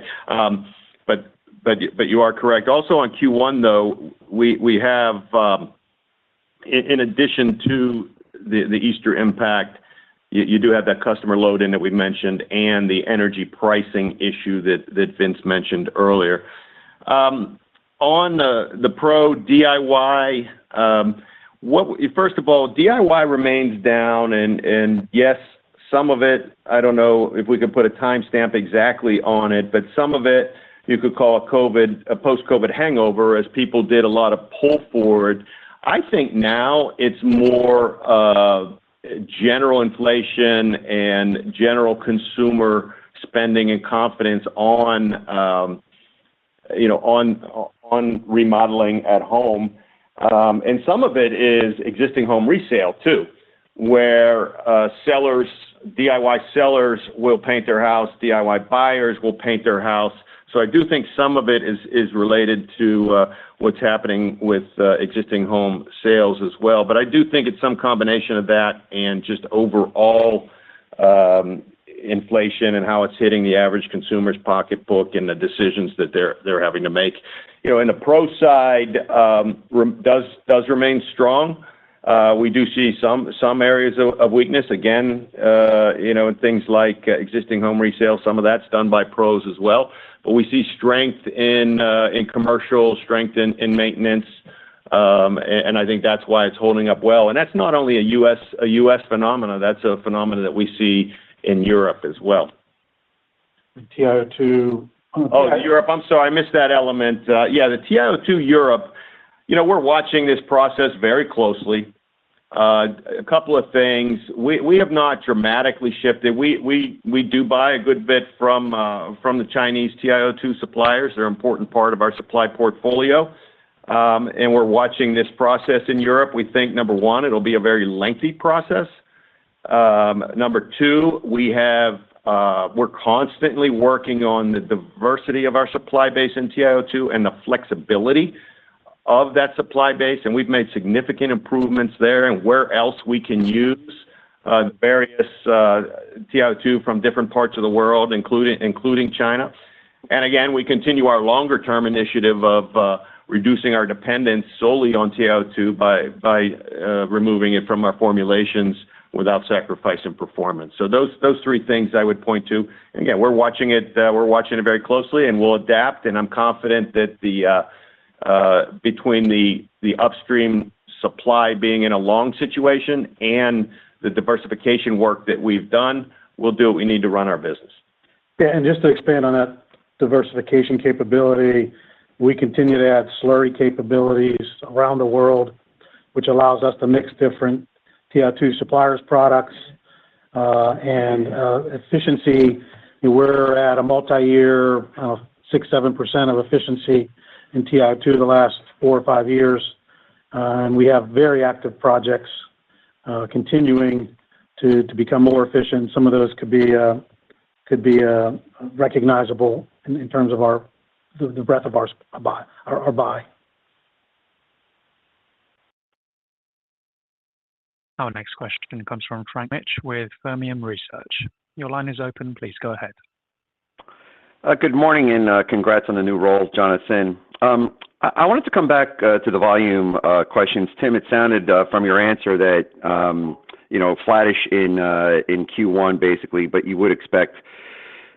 But you are correct. Also on Q1, though, we have, in addition to the Easter impact, you do have that customer load-in that we mentioned and the energy pricing issue that Vince mentioned earlier. On the pro DIY, first of all, DIY remains down, and yes, some of it, I don't know if we can put a timestamp exactly on it, but some of it you could call a post-COVID hangover as people did a lot of pull forward. I think now it's more of general inflation and general consumer spending and confidence on, you know, on remodeling at home. And some of it is existing home resale, too, where sellers, DIY sellers will paint their house, DIY buyers will paint their house. So I do think some of it is related to what's happening with existing home sales as well. But I do think it's some combination of that and just overall inflation and how it's hitting the average consumer's pocketbook and the decisions that they're having to make. You know, and the pro side does remain strong. We do see some areas of weakness. Again, you know, in things like existing home resales, some of that's done by pros as well. But we see strength in commercial, strength in maintenance, and I think that's why it's holding up well. And that's not only a U.S., a U.S. phenomena, that's a phenomena that we see in Europe as well.
And TiO2-
Oh, Europe. I'm sorry, I missed that element. Yeah, the TiO2 Europe, you know, we're watching this process very closely. A couple of things. We have not dramatically shifted. We do buy a good bit from the Chinese TiO2 suppliers. They're important part of our supply portfolio, and we're watching this process in Europe. We think, number one, it'll be a very lengthy process. Number two, we're constantly working on the diversity of our supply base in TiO2 and the flexibility of that supply base, and we've made significant improvements there, and where else we can use various TiO2 from different parts of the world, including China. And again, we continue our longer-term initiative of reducing our dependence solely on TiO2 by removing it from our formulations without sacrificing performance. So those three things I would point to. And again, we're watching it very closely, and we'll adapt. And I'm confident that between the upstream supply being in a long situation and the diversification work that we've done, we'll do what we need to run our business.
Yeah, and just to expand on that diversification capability, we continue to add slurry capabilities around the world, which allows us to mix different TiO2 suppliers' products. Efficiency, we're at a multiyear 6-7% of efficiency in TiO2 the last 4 or 5 years. We have very active projects continuing to become more efficient. Some of those could be recognizable in terms of the breadth of our buy.
Our next question comes from Frank Mitsch with Fermium Research. Your line is open. Please go ahead.
Good morning, and congrats on the new role, Jonathan. I wanted to come back to the volume questions. Tim, it sounded from your answer that, you know, flattish in Q1, basically, but you would expect,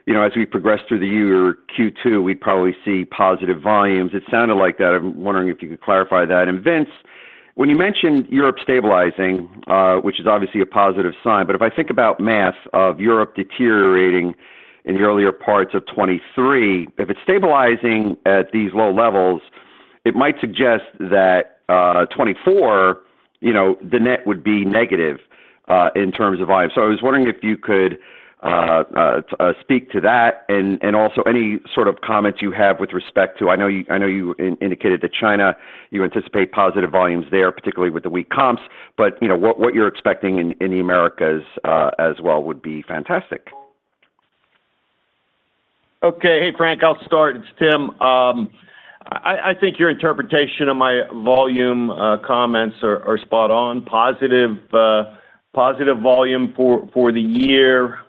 you know, as we progress through the year, Q2, we'd probably see positive volumes. It sounded like that. I'm wondering if you could clarify that. And Vince, when you mentioned Europe stabilizing, which is obviously a positive sign, but if I think about math of Europe deteriorating in the earlier parts of 2023, if it's stabilizing at these low levels, it might suggest that, 2024, you know, the net would be negative in terms of volume. So I was wondering if you could speak to that, and also any sort of comments you have with respect to... I know you indicated that China you anticipate positive volumes there, particularly with the weak comps, but you know what you're expecting in the Americas as well would be fantastic.
Okay. Hey, Frank, I'll start. It's Tim. I think your interpretation of my volume comments are spot on. Positive positive volume for the year,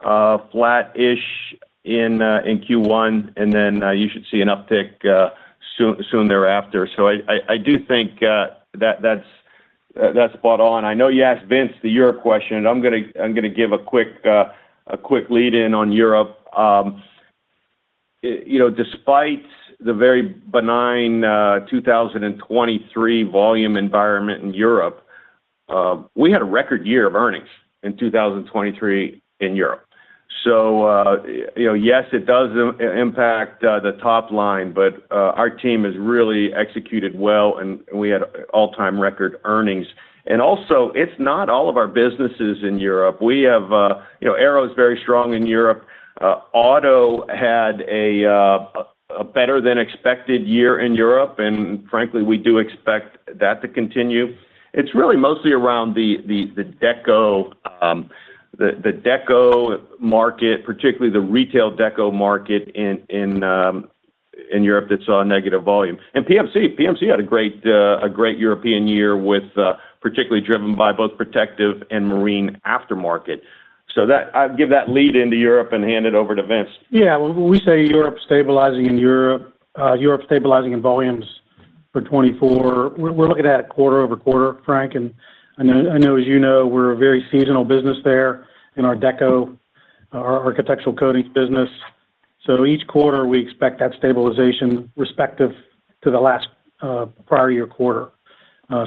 flattish in Q1, and then you should see an uptick soon thereafter. So I do think that that's spot on. I know you asked Vince the Europe question, and I'm gonna give a quick lead-in on Europe. You know, despite the very benign 2023 volume environment in Europe, we had a record year of earnings in 2023 in Europe. So you know, yes, it does impact the top line, but our team has really executed well, and we had all-time record earnings. And also, it's not all of our businesses in Europe. We have... You know, Aero is very strong in Europe. Auto had a better-than-expected year in Europe, and frankly, we do expect that to continue. It's really mostly around the deco, the deco market, particularly the retail deco market in Europe, that saw negative volume. And PMC, PMC had a great European year with, particularly driven by both protective and marine aftermarket. So that. I'd give that lead into Europe and hand it over to Vince.
Yeah, when we say Europe stabilizing in Europe, Europe stabilizing in volumes for 2024, we're looking at quarter-over-quarter, Frank. And I know, as you know, we're a very seasonal business there in our deco, our architectural coatings business. So each quarter, we expect that stabilization respective to the last prior year quarter.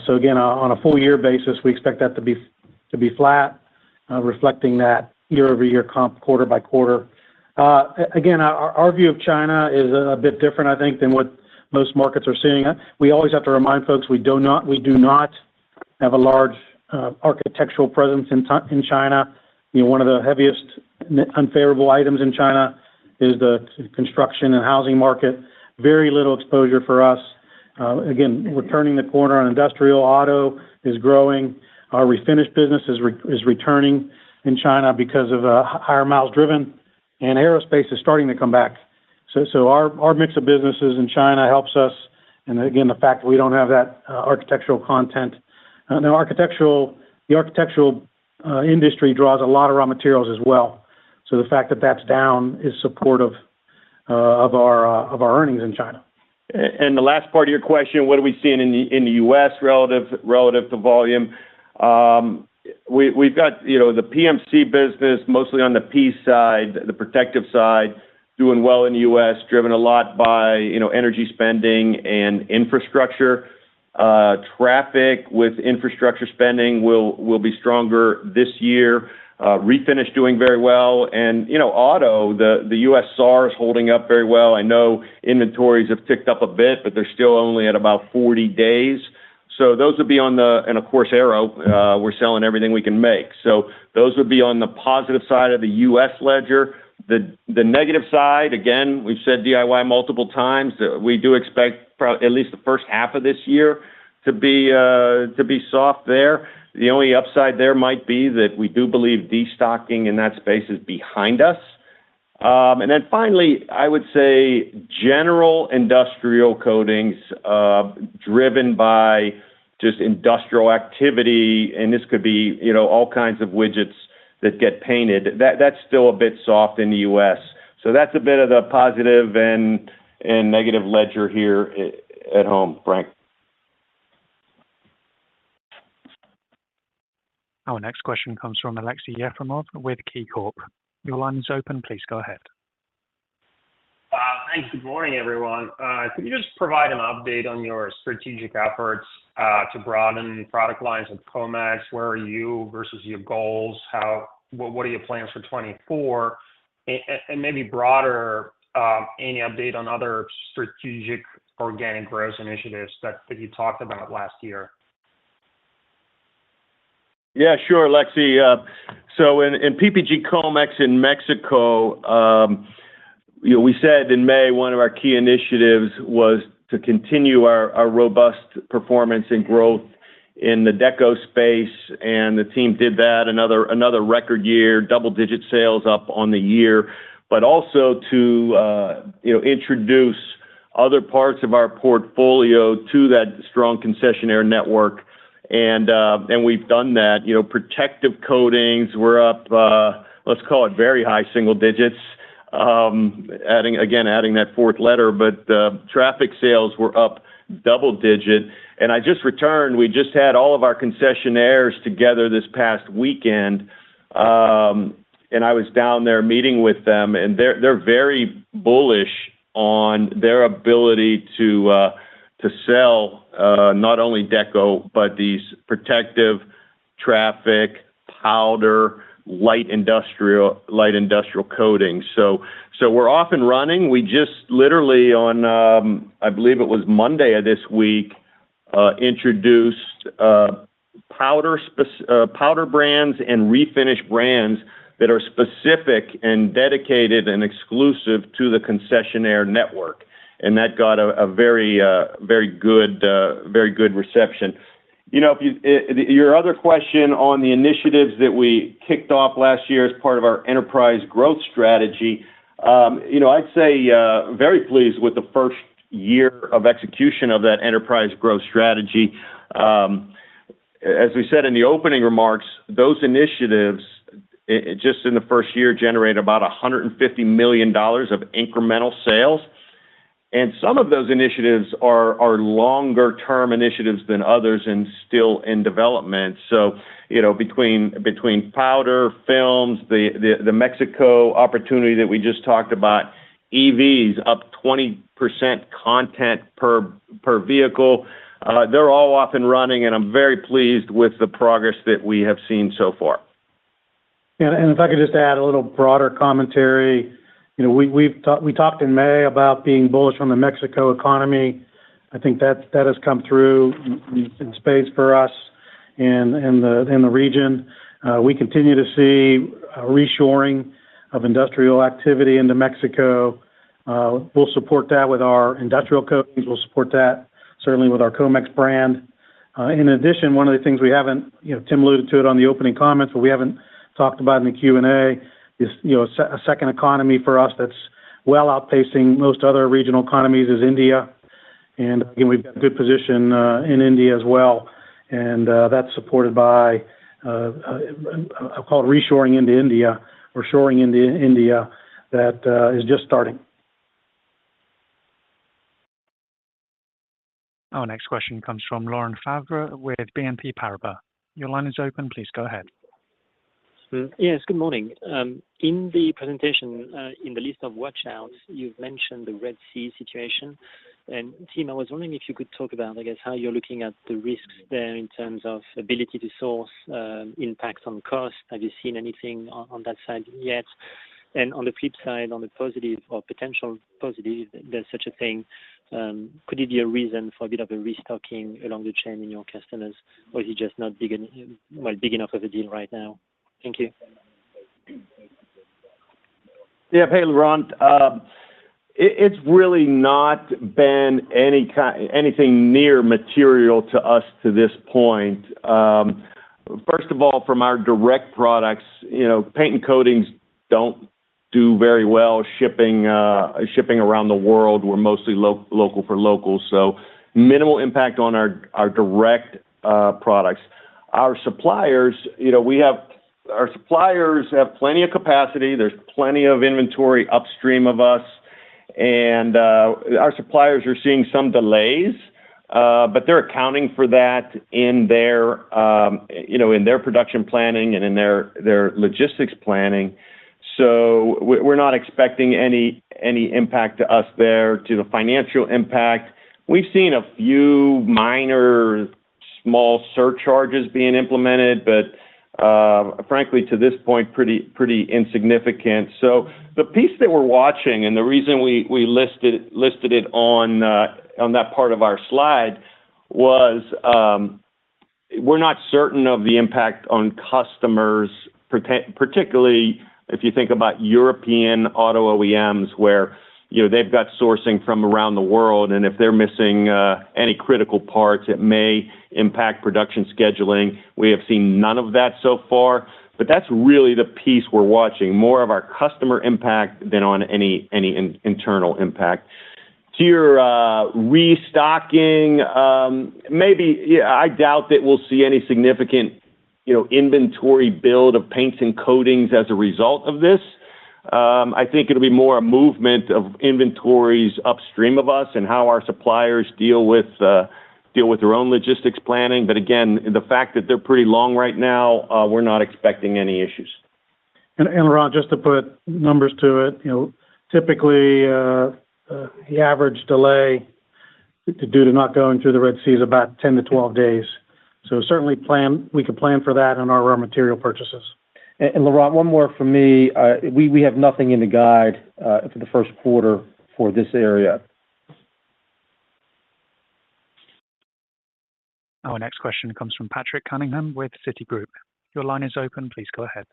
So again, on a full year basis, we expect that to be flat, reflecting that year-over-year comp, quarter by quarter. Again, our view of China is a bit different, I think, than what most markets are seeing. We always have to remind folks, we do not have a large architectural presence in China. You know, one of the heaviest unfavorable items in China is the construction and housing market. Very little exposure for us. Again, we're turning the corner on industrial. Auto is growing, our refinished business is returning in China because of higher miles driven, and aerospace is starting to come back. So our mix of businesses in China helps us, and again, the fact that we don't have that architectural content. Now, architectural, the architectural industry draws a lot of raw materials as well. So the fact that that's down is supportive of our earnings in China.
And the last part of your question, what are we seeing in the, in the US relative, relative to volume? We've got, you know, the PMC business, mostly on the P side, the protective side, doing well in the US, driven a lot by, you know, energy spending and infrastructure. Traffic with infrastructure spending will, will be stronger this year. Refinish doing very well. And, you know, auto, the, the US SAR is holding up very well. I know inventories have ticked up a bit, but they're still only at about 40 days. So those would be on the... And of course, Aero, we're selling everything we can make. So those would be on the positive side of the US ledger. The, the negative side, again, we've said DIY multiple times. We do expect Pro at least the first half of this year to be soft there. The only upside there might be that we do believe destocking in that space is behind us. And then finally, I would say general industrial coatings, driven by just industrial activity, and this could be, you know, all kinds of widgets that get painted, that's still a bit soft in the U.S. So that's a bit of the positive and negative ledger here at home, Frank.
Our next question comes from Aleksey Yefremov with KeyCorp. Your line is open. Please go ahead.
Thanks. Good morning, everyone. Can you just provide an update on your strategic efforts to broaden product lines with Comex? Where are you versus your goals? What are your plans for 2024? And maybe broader, any update on other strategic organic growth initiatives that you talked about last year?
Yeah, sure, Alexei. So in PPG Comex in Mexico, you know, we said in May one of our key initiatives was to continue our robust performance and growth in the deco space, and the team did that, another record year, double-digit sales up on the year, but also to, you know, introduce other parts of our portfolio to that strong concessionaire network. And, and we've done that. You know, protective coatings were up, let's call it very high single digits, adding again, adding that fourth letter, but traffic sales were up double digit. And I just returned. We just had all of our concessionaires together this past weekend, and I was down there meeting with them, and they're very bullish on their ability to sell not only deco, but these protective traffic, powder, light industrial coatings. So we're off and running. We just literally on I believe it was Monday of this week introduced powder brands and refinished brands that are specific and dedicated and exclusive to the concessionaire network, and that got a very good reception. You know, your other question on the initiatives that we kicked off last year as part of our enterprise growth strategy, you know, I'd say very pleased with the first year of execution of that enterprise growth strategy. As we said in the opening remarks, those initiatives just in the first year generated about $150 million of incremental sales, and some of those initiatives are longer term initiatives than others and still in development. So, you know, between powder, films, the Mexico opportunity that we just talked about, EVs up 20% content per vehicle, they're all off and running, and I'm very pleased with the progress that we have seen so far.
Yeah, and if I could just add a little broader commentary. You know, we've talked in May about being bullish on the Mexico economy. I think that has come through in spades for us in the region. We continue to see reshoring of industrial activity into Mexico. We'll support that with our industrial coatings. We'll support that certainly with our Comex brand. In addition, one of the things we haven't, you know, Tim alluded to it on the opening comments, but we haven't talked about in the Q&A is, you know, a second economy for us that's well outpacing most other regional economies is India, and, again, we've got good position in India as well. That's supported by, I call it reshoring into India or shoring India for India that is just starting.
Our next question comes from Laurent Favre with BNP Paribas. Your line is open. Please go ahead.
Yes, good morning. In the presentation, in the list of watch outs, you've mentioned the Red Sea situation. And, Tim, I was wondering if you could talk about, I guess, how you're looking at the risks there in terms of ability to source, impacts on cost. Have you seen anything on that side yet? And on the flip side, on the positive or potential positive, there's such a thing, could it be a reason for a bit of a restocking along the chain in your customers, or is it just not big, well, big enough of a deal right now? Thank you.
Yeah. Hey, Laurent. It's really not been anything near material to us to this point. First of all, from our direct products, you know, paint and coatings don't do very well shipping around the world. We're mostly local for local, so minimal impact on our direct products. Our suppliers, you know, have plenty of capacity. There's plenty of inventory upstream of us, and our suppliers are seeing some delays, but they're accounting for that in their production planning and in their logistics planning. So we're not expecting any impact to us there, to the financial impact. We've seen a few minor small surcharges being implemented, but, frankly, to this point, pretty insignificant. So the piece that we're watching, and the reason we listed it on that part of our slide, was we're not certain of the impact on customers, particularly if you think about European auto OEMs, where, you know, they've got sourcing from around the world, and if they're missing any critical parts, it may impact production scheduling. We have seen none of that so far, but that's really the piece we're watching, more of our customer impact than on any internal impact. To your restocking, maybe, yeah, I doubt that we'll see any significant, you know, inventory build of paints and coatings as a result of this. I think it'll be more a movement of inventories upstream of us and how our suppliers deal with their own logistics planning. But again, the fact that they're pretty long right now, we're not expecting any issues.
Ron, just to put numbers to it, you know, typically, the average delay due to not going through the Red Sea is about 10-12 days. So certainly we could plan for that on our raw material purchases.
And, Laurent, one more from me. We have nothing in the guide for the first quarter for this area.
Our next question comes from Patrick Cunningham with Citigroup. Your line is open. Please go ahead.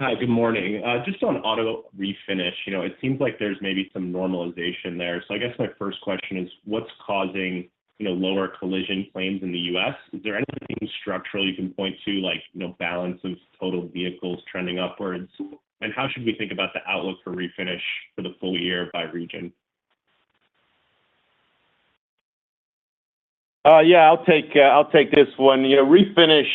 Hi, good morning. Just on auto refinish, you know, it seems like there's maybe some normalization there. So I guess my first question is, what's causing, you know, lower collision claims in the U.S.? Is there anything structural you can point to, like, you know, balance of total vehicles trending upwards? And how should we think about the outlook for refinish for the full year by region?
Yeah, I'll take this one. You know, refinish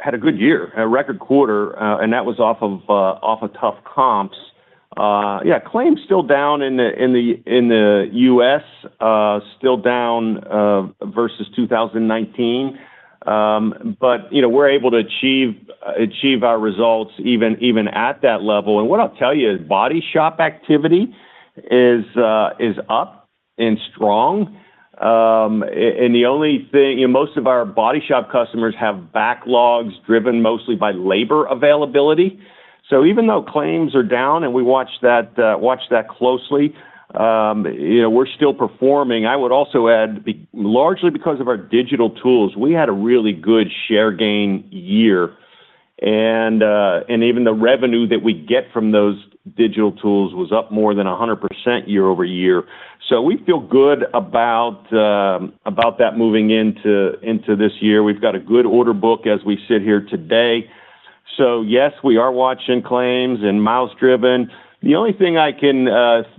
had a good year, had a record quarter, and that was off of tough comps. Yeah, claims still down in the U.S., still down versus 2019. But, you know, we're able to achieve our results even at that level. And what I'll tell you is body shop activity is up and strong. And the only thing... You know, most of our body shop customers have backlogs driven mostly by labor availability. So even though claims are down and we watch that closely, you know, we're still performing. I would also add, largely because of our digital tools, we had a really good share gain year. And even the revenue that we get from those digital tools was up more than 100% year over year. So we feel good about that moving into this year. We've got a good order book as we sit here today. So yes, we are watching claims and miles driven. The only thing I can,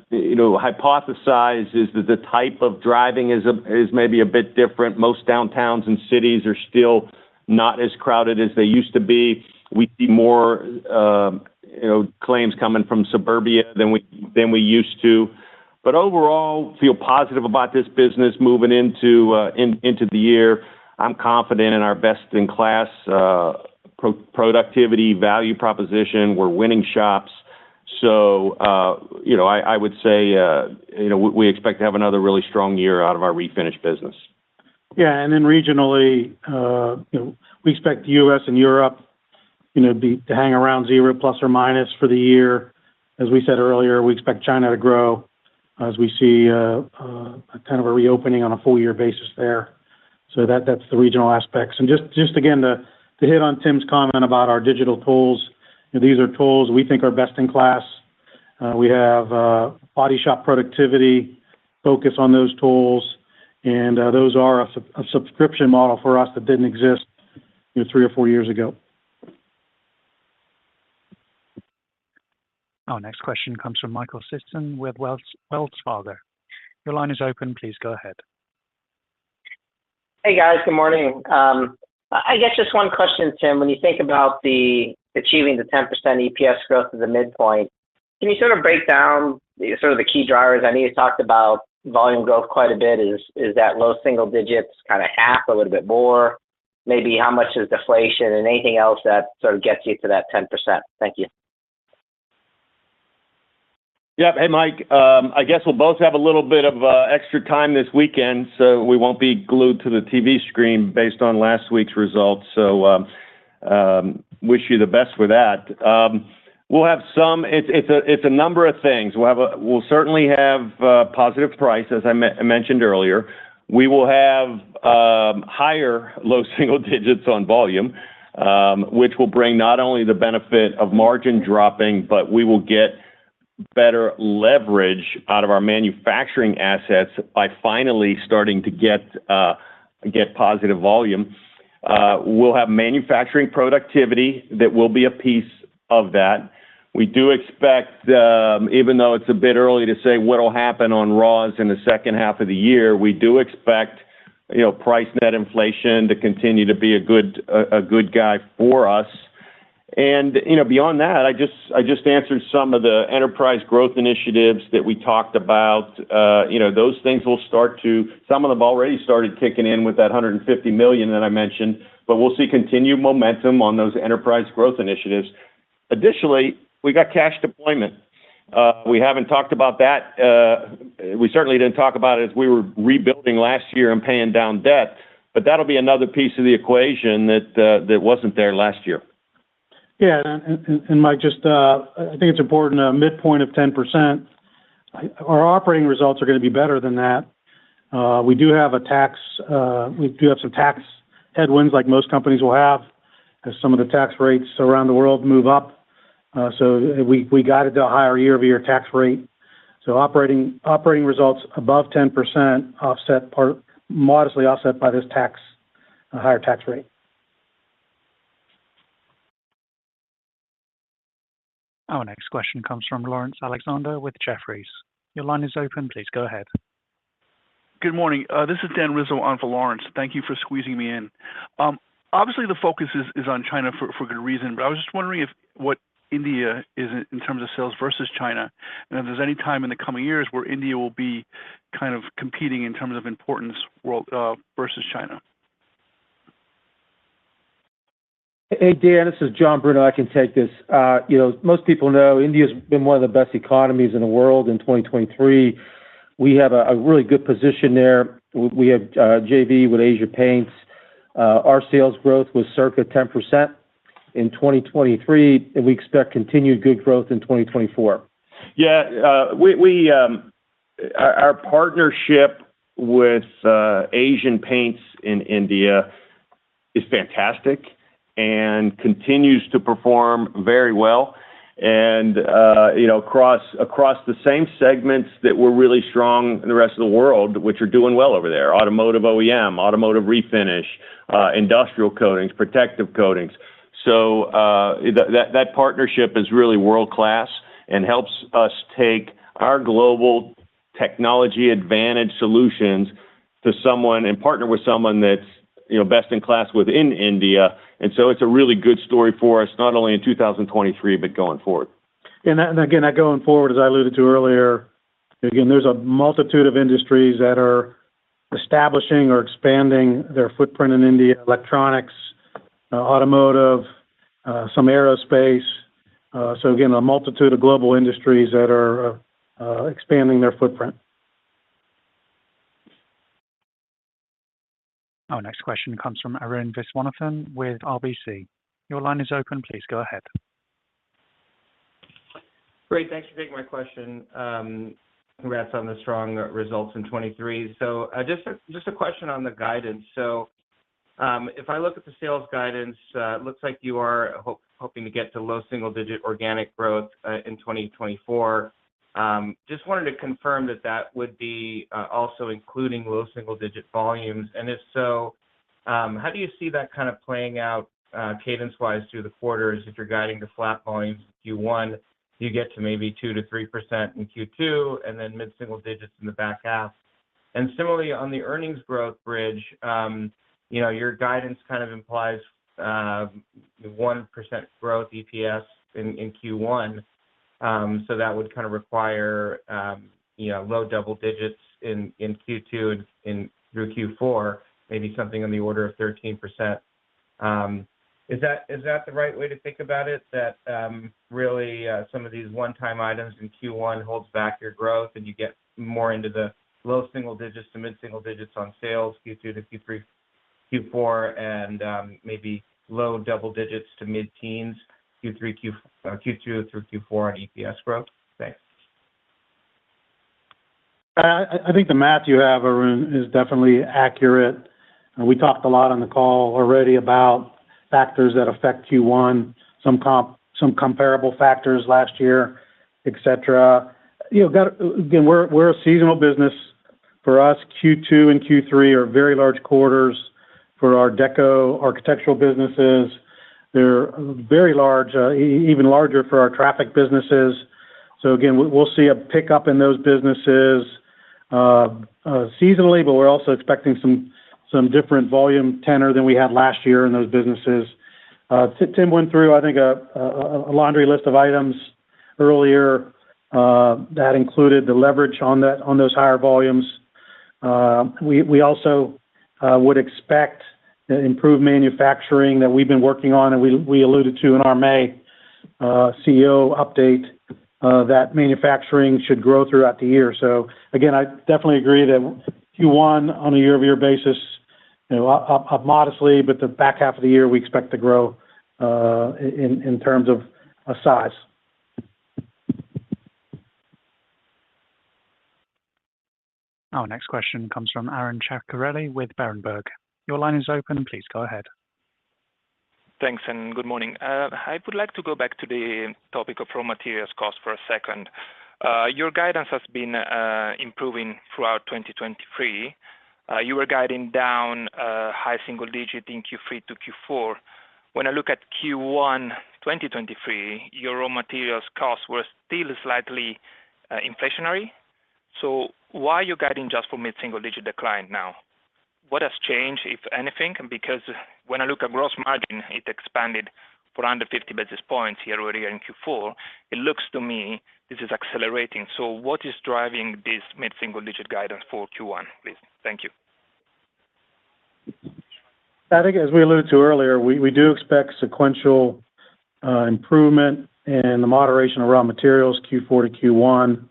you know, hypothesize is that the type of driving is maybe a bit different. Most downtowns and cities are still not as crowded as they used to be. We see more, you know, claims coming from suburbia than we used to. But overall, feel positive about this business moving into the year. I'm confident in our best-in-class productivity value proposition. We're winning shops. So, you know, I would say, you know, we expect to have another really strong year out of our refinish business.
Yeah, and then regionally, you know, we expect the U.S. and Europe, you know, to hang around zero ± for the year. As we said earlier, we expect China to grow as we see a kind of a reopening on a full year basis there. So that's the regional aspects. And just again, to hit on Tim's comment about our digital tools, these are tools we think are best in class. We have body shop productivity focus on those tools, and those are a subscription model for us that didn't exist, you know, three or four years ago.
Our next question comes from Michael Sison with Wells Fargo. Your line is open. Please go ahead.
Hey, guys. Good morning. I guess just one question, Tim. When you think about achieving the 10% EPS growth to the midpoint, can you sort of break down the, sort of the key drivers? I know you talked about volume growth quite a bit. Is, is that low single digits, kinda half, a little bit more? Maybe how much is deflation and anything else that sort of gets you to that 10%? Thank you.
Yep. Hey, Michael, I guess we'll both have a little bit of extra time this weekend, so we won't be glued to the TV screen based on last week's results. So, wish you the best with that. We'll have some. It's a number of things. We'll have a. We'll certainly have positive price, as I mentioned earlier. We will have higher low single digits on volume, which will bring not only the benefit of margin dropping, but we will get better leverage out of our manufacturing assets by finally starting to get positive volume. We'll have manufacturing productivity that will be a piece of that. We do expect, even though it's a bit early to say what will happen on raws in the second half of the year, we do expect, you know, price net inflation to continue to be a good, a good guy for us. And, you know, beyond that, I just answered some of the enterprise growth initiatives that we talked about. You know, those things will start to. Some of them already started kicking in with that $150 million that I mentioned, but we'll see continued momentum on those enterprise growth initiatives. Additionally, we got cash deployment. We haven't talked about that. We certainly didn't talk about it as we were rebuilding last year and paying down debt, but that'll be another piece of the equation that, that wasn't there last year.
Yeah, Mike, just I think it's important, a midpoint of 10%, our operating results are gonna be better than that. We do have some tax headwinds, like most companies will have, as some of the tax rates around the world move up. So we guided to a higher year-over-year tax rate. So operating results above 10%, modestly offset by this tax, a higher tax rate.
Our next question comes from Lawrence Alexander with Jefferies. Your line is open. Please go ahead.
Good morning. This is Daniel Rizzo on for Lawrence. Thank you for squeezing me in. Obviously, the focus is on China for good reason, but I was just wondering if what India is in terms of sales versus China, and if there's any time in the coming years where India will be kind of competing in terms of importance world versus China.
Hey, Dan, this is John Bruno. I can take this. You know, most people know India's been one of the best economies in the world in 2023. We have a really good position there. We have a JV with Asian Paints. Our sales growth was circa 10% in 2023, and we expect continued good growth in 2024.
Yeah, our partnership with Asian Paints in India is fantastic and continues to perform very well. You know, across the same segments that we're really strong in the rest of the world, which are doing well over there: automotive OEM, automotive refinish, industrial coatings, protective coatings. That partnership is really world-class and helps us take our global technology advantage solutions to someone, and partner with someone that's, you know, best in class within India. So it's a really good story for us, not only in 2023, but going forward.
And that going forward, as I alluded to earlier, again, there's a multitude of industries that are establishing or expanding their footprint in India: electronics, automotive, some aerospace. So again, a multitude of global industries that are expanding their footprint.
Our next question comes from Arun Viswanathan with RBC. Your line is open. Please go ahead.
Great. Thanks for taking my question. Congrats on the strong results in 2023. So, just a question on the guidance. So, if I look at the sales guidance, it looks like you are hoping to get to low single-digit organic growth in 2024. Just wanted to confirm that that would be also including low single-digit volumes. And if so, how do you see that kind of playing out, cadence-wise through the quarters if you're guiding to flat volumes? Q1, do you get to maybe 2%-3% in Q2, and then mid-single digits in the back half? And similarly, on the earnings growth bridge, you know, your guidance kind of implies 1% growth EPS in Q1, so that would kind of require you know, low double digits in Q2 and in through Q4, maybe something on the order of 13%. Is that, is that the right way to think about it? That really, some of these one-time items in Q1 holds back your growth, and you get more into the low single digits to mid single digits on sales, Q2 to Q3, Q4, and maybe low double digits to mid-teens, Q3, Q2 through Q4 on EPS growth? Thanks.
I think the math you have, Arun, is definitely accurate. We talked a lot on the call already about factors that affect Q1, some comp, some comparable factors last year, et cetera. You know. Again, we're a seasonal business. For us, Q2 and Q3 are very large quarters for our deco architectural businesses. They're very large, even larger for our traffic businesses. So again, we'll see a pickup in those businesses, seasonally, but we're also expecting some different volume tenor than we had last year in those businesses. Tim went through, I think, a laundry list of items earlier, that included the leverage on those higher volumes. We also would expect the improved manufacturing that we've been working on, and we alluded to in our May CEO update, that manufacturing should grow throughout the year. So again, I definitely agree that Q1, on a year-over-year basis, you know, up modestly, but the back half of the year, we expect to grow in terms of size.
Our next question comes from Aaron Ceccarelli with Berenberg. Your line is open. Please go ahead.
Thanks, and good morning. I would like to go back to the topic of raw materials cost for a second. Your guidance has been improving throughout 2023. You were guiding down high single-digit in Q3 to Q4. When I look at Q1 2023, your raw materials costs were still slightly inflationary. So why are you guiding just for mid-single-digit decline now? What has changed, if anything? Because when I look at gross margin, it expanded for under 50 basis points here already in Q4. It looks to me this is accelerating. So what is driving this mid-single-digit guidance for Q1, please? Thank you.
I think as we alluded to earlier, we, we do expect sequential, improvement in the moderation of raw materials, Q4 to Q1.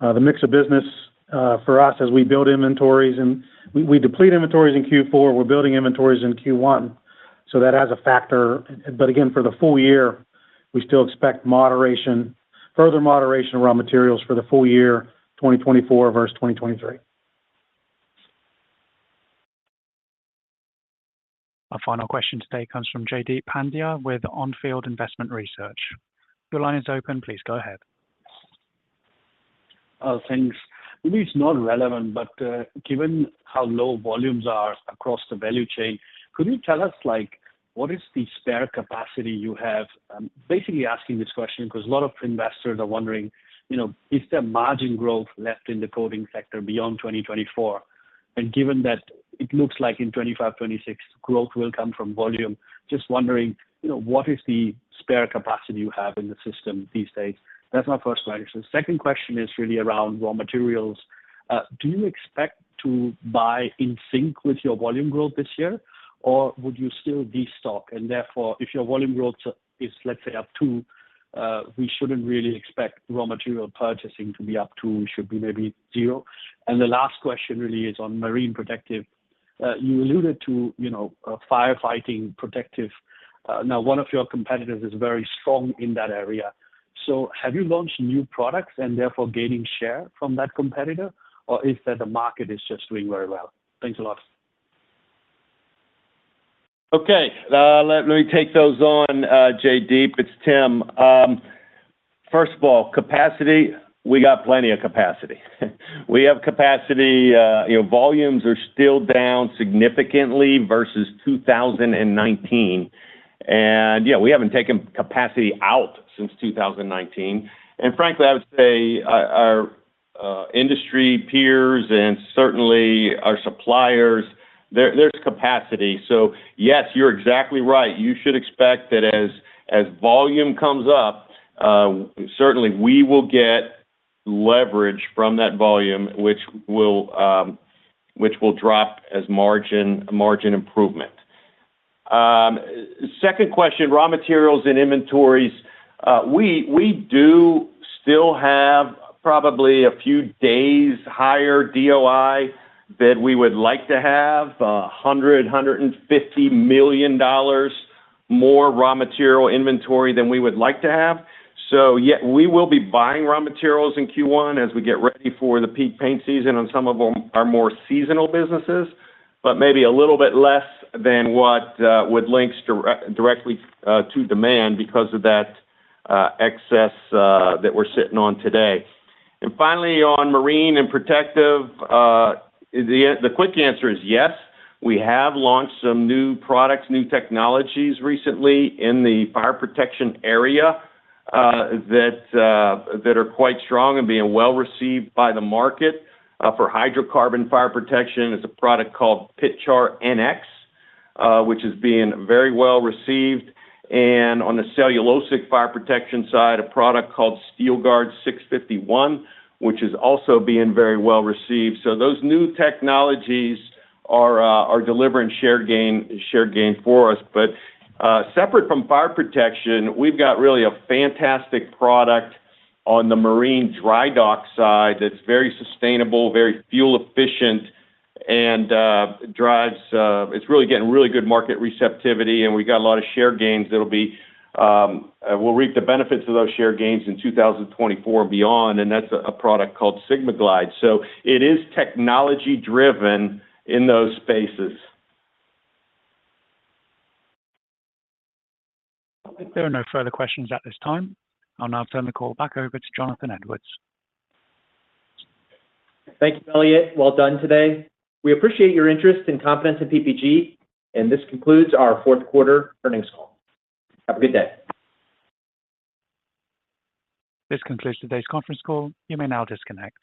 The mix of business, for us as we build inventories and we, we deplete inventories in Q4, we're building inventories in Q1, so that has a factor. But again, for the full year, we still expect moderation, further moderation of raw materials for the full year, 2024 versus 2023.
Our final question today comes from Jaideep Pandya with Onfield Investment Research. Your line is open. Please go ahead.
Thanks. Maybe it's not relevant, but, given how low volumes are across the value chain, could you tell us, like, what is the spare capacity you have? I'm basically asking this question 'cause a lot of investors are wondering, you know, is there margin growth left in the coating sector beyond 2024? And given that it looks like in 2025, 2026, growth will come from volume, just wondering, you know, what is the spare capacity you have in the system these days? That's my first question. Second question is really around raw materials. Do you expect to buy in sync with your volume growth this year, or would you still destock? And therefore, if your volume growth is, let's say, up 2, we shouldn't really expect raw material purchasing to be up 2, it should be maybe 0. The last question really is on marine protective. You alluded to, you know, firefighting protective. Now, one of your competitors is very strong in that area. So have you launched new products and therefore gaining share from that competitor, or is that the market is just doing very well? Thanks a lot.
Okay, let me take those on, Jaydeep. It's Tim. First of all, capacity, we got plenty of capacity. We have capacity, you know, volumes are still down significantly versus 2019. And yeah, we haven't taken capacity out since 2019. And frankly, I would say, our industry peers and certainly our suppliers, there's capacity. So yes, you're exactly right. You should expect that as volume comes up, certainly we will get leverage from that volume, which will drop as margin improvement. Second question, raw materials and inventories. We do still have probably a few days higher DOI than we would like to have, $150 million more raw material inventory than we would like to have. So yeah, we will be buying raw materials in Q1 as we get ready for the peak paint season on some of them, are more seasonal businesses, but maybe a little bit less than what would link directly to demand because of that excess that we're sitting on today. And finally, on marine and protective, the quick answer is yes, we have launched some new products, new technologies recently in the fire protection area that are quite strong and being well-received by the market. For hydrocarbon fire protection, it's a product called PITT-CHAR NX, which is being very well-received. And on the cellulosic fire protection side, a product called STEELGUARD 651, which is also being very well-received. So those new technologies are delivering share gain, share gain for us. But separate from fire protection, we've got really a fantastic product on the marine dry dock side that's very sustainable, very fuel efficient, and drives... It's really getting really good market receptivity, and we got a lot of share gains that'll be we'll reap the benefits of those share gains in 2024 and beyond, and that's a product called SigmaGlide. So it is technology-driven in those spaces.
There are no further questions at this time. I'll now turn the call back over to Jonathan Edwards.
Thank you, Elliot. Well done today. We appreciate your interest and confidence in PPG, and this concludes our fourth quarter earnings call. Have a good day.
This concludes today's conference call. You may now disconnect.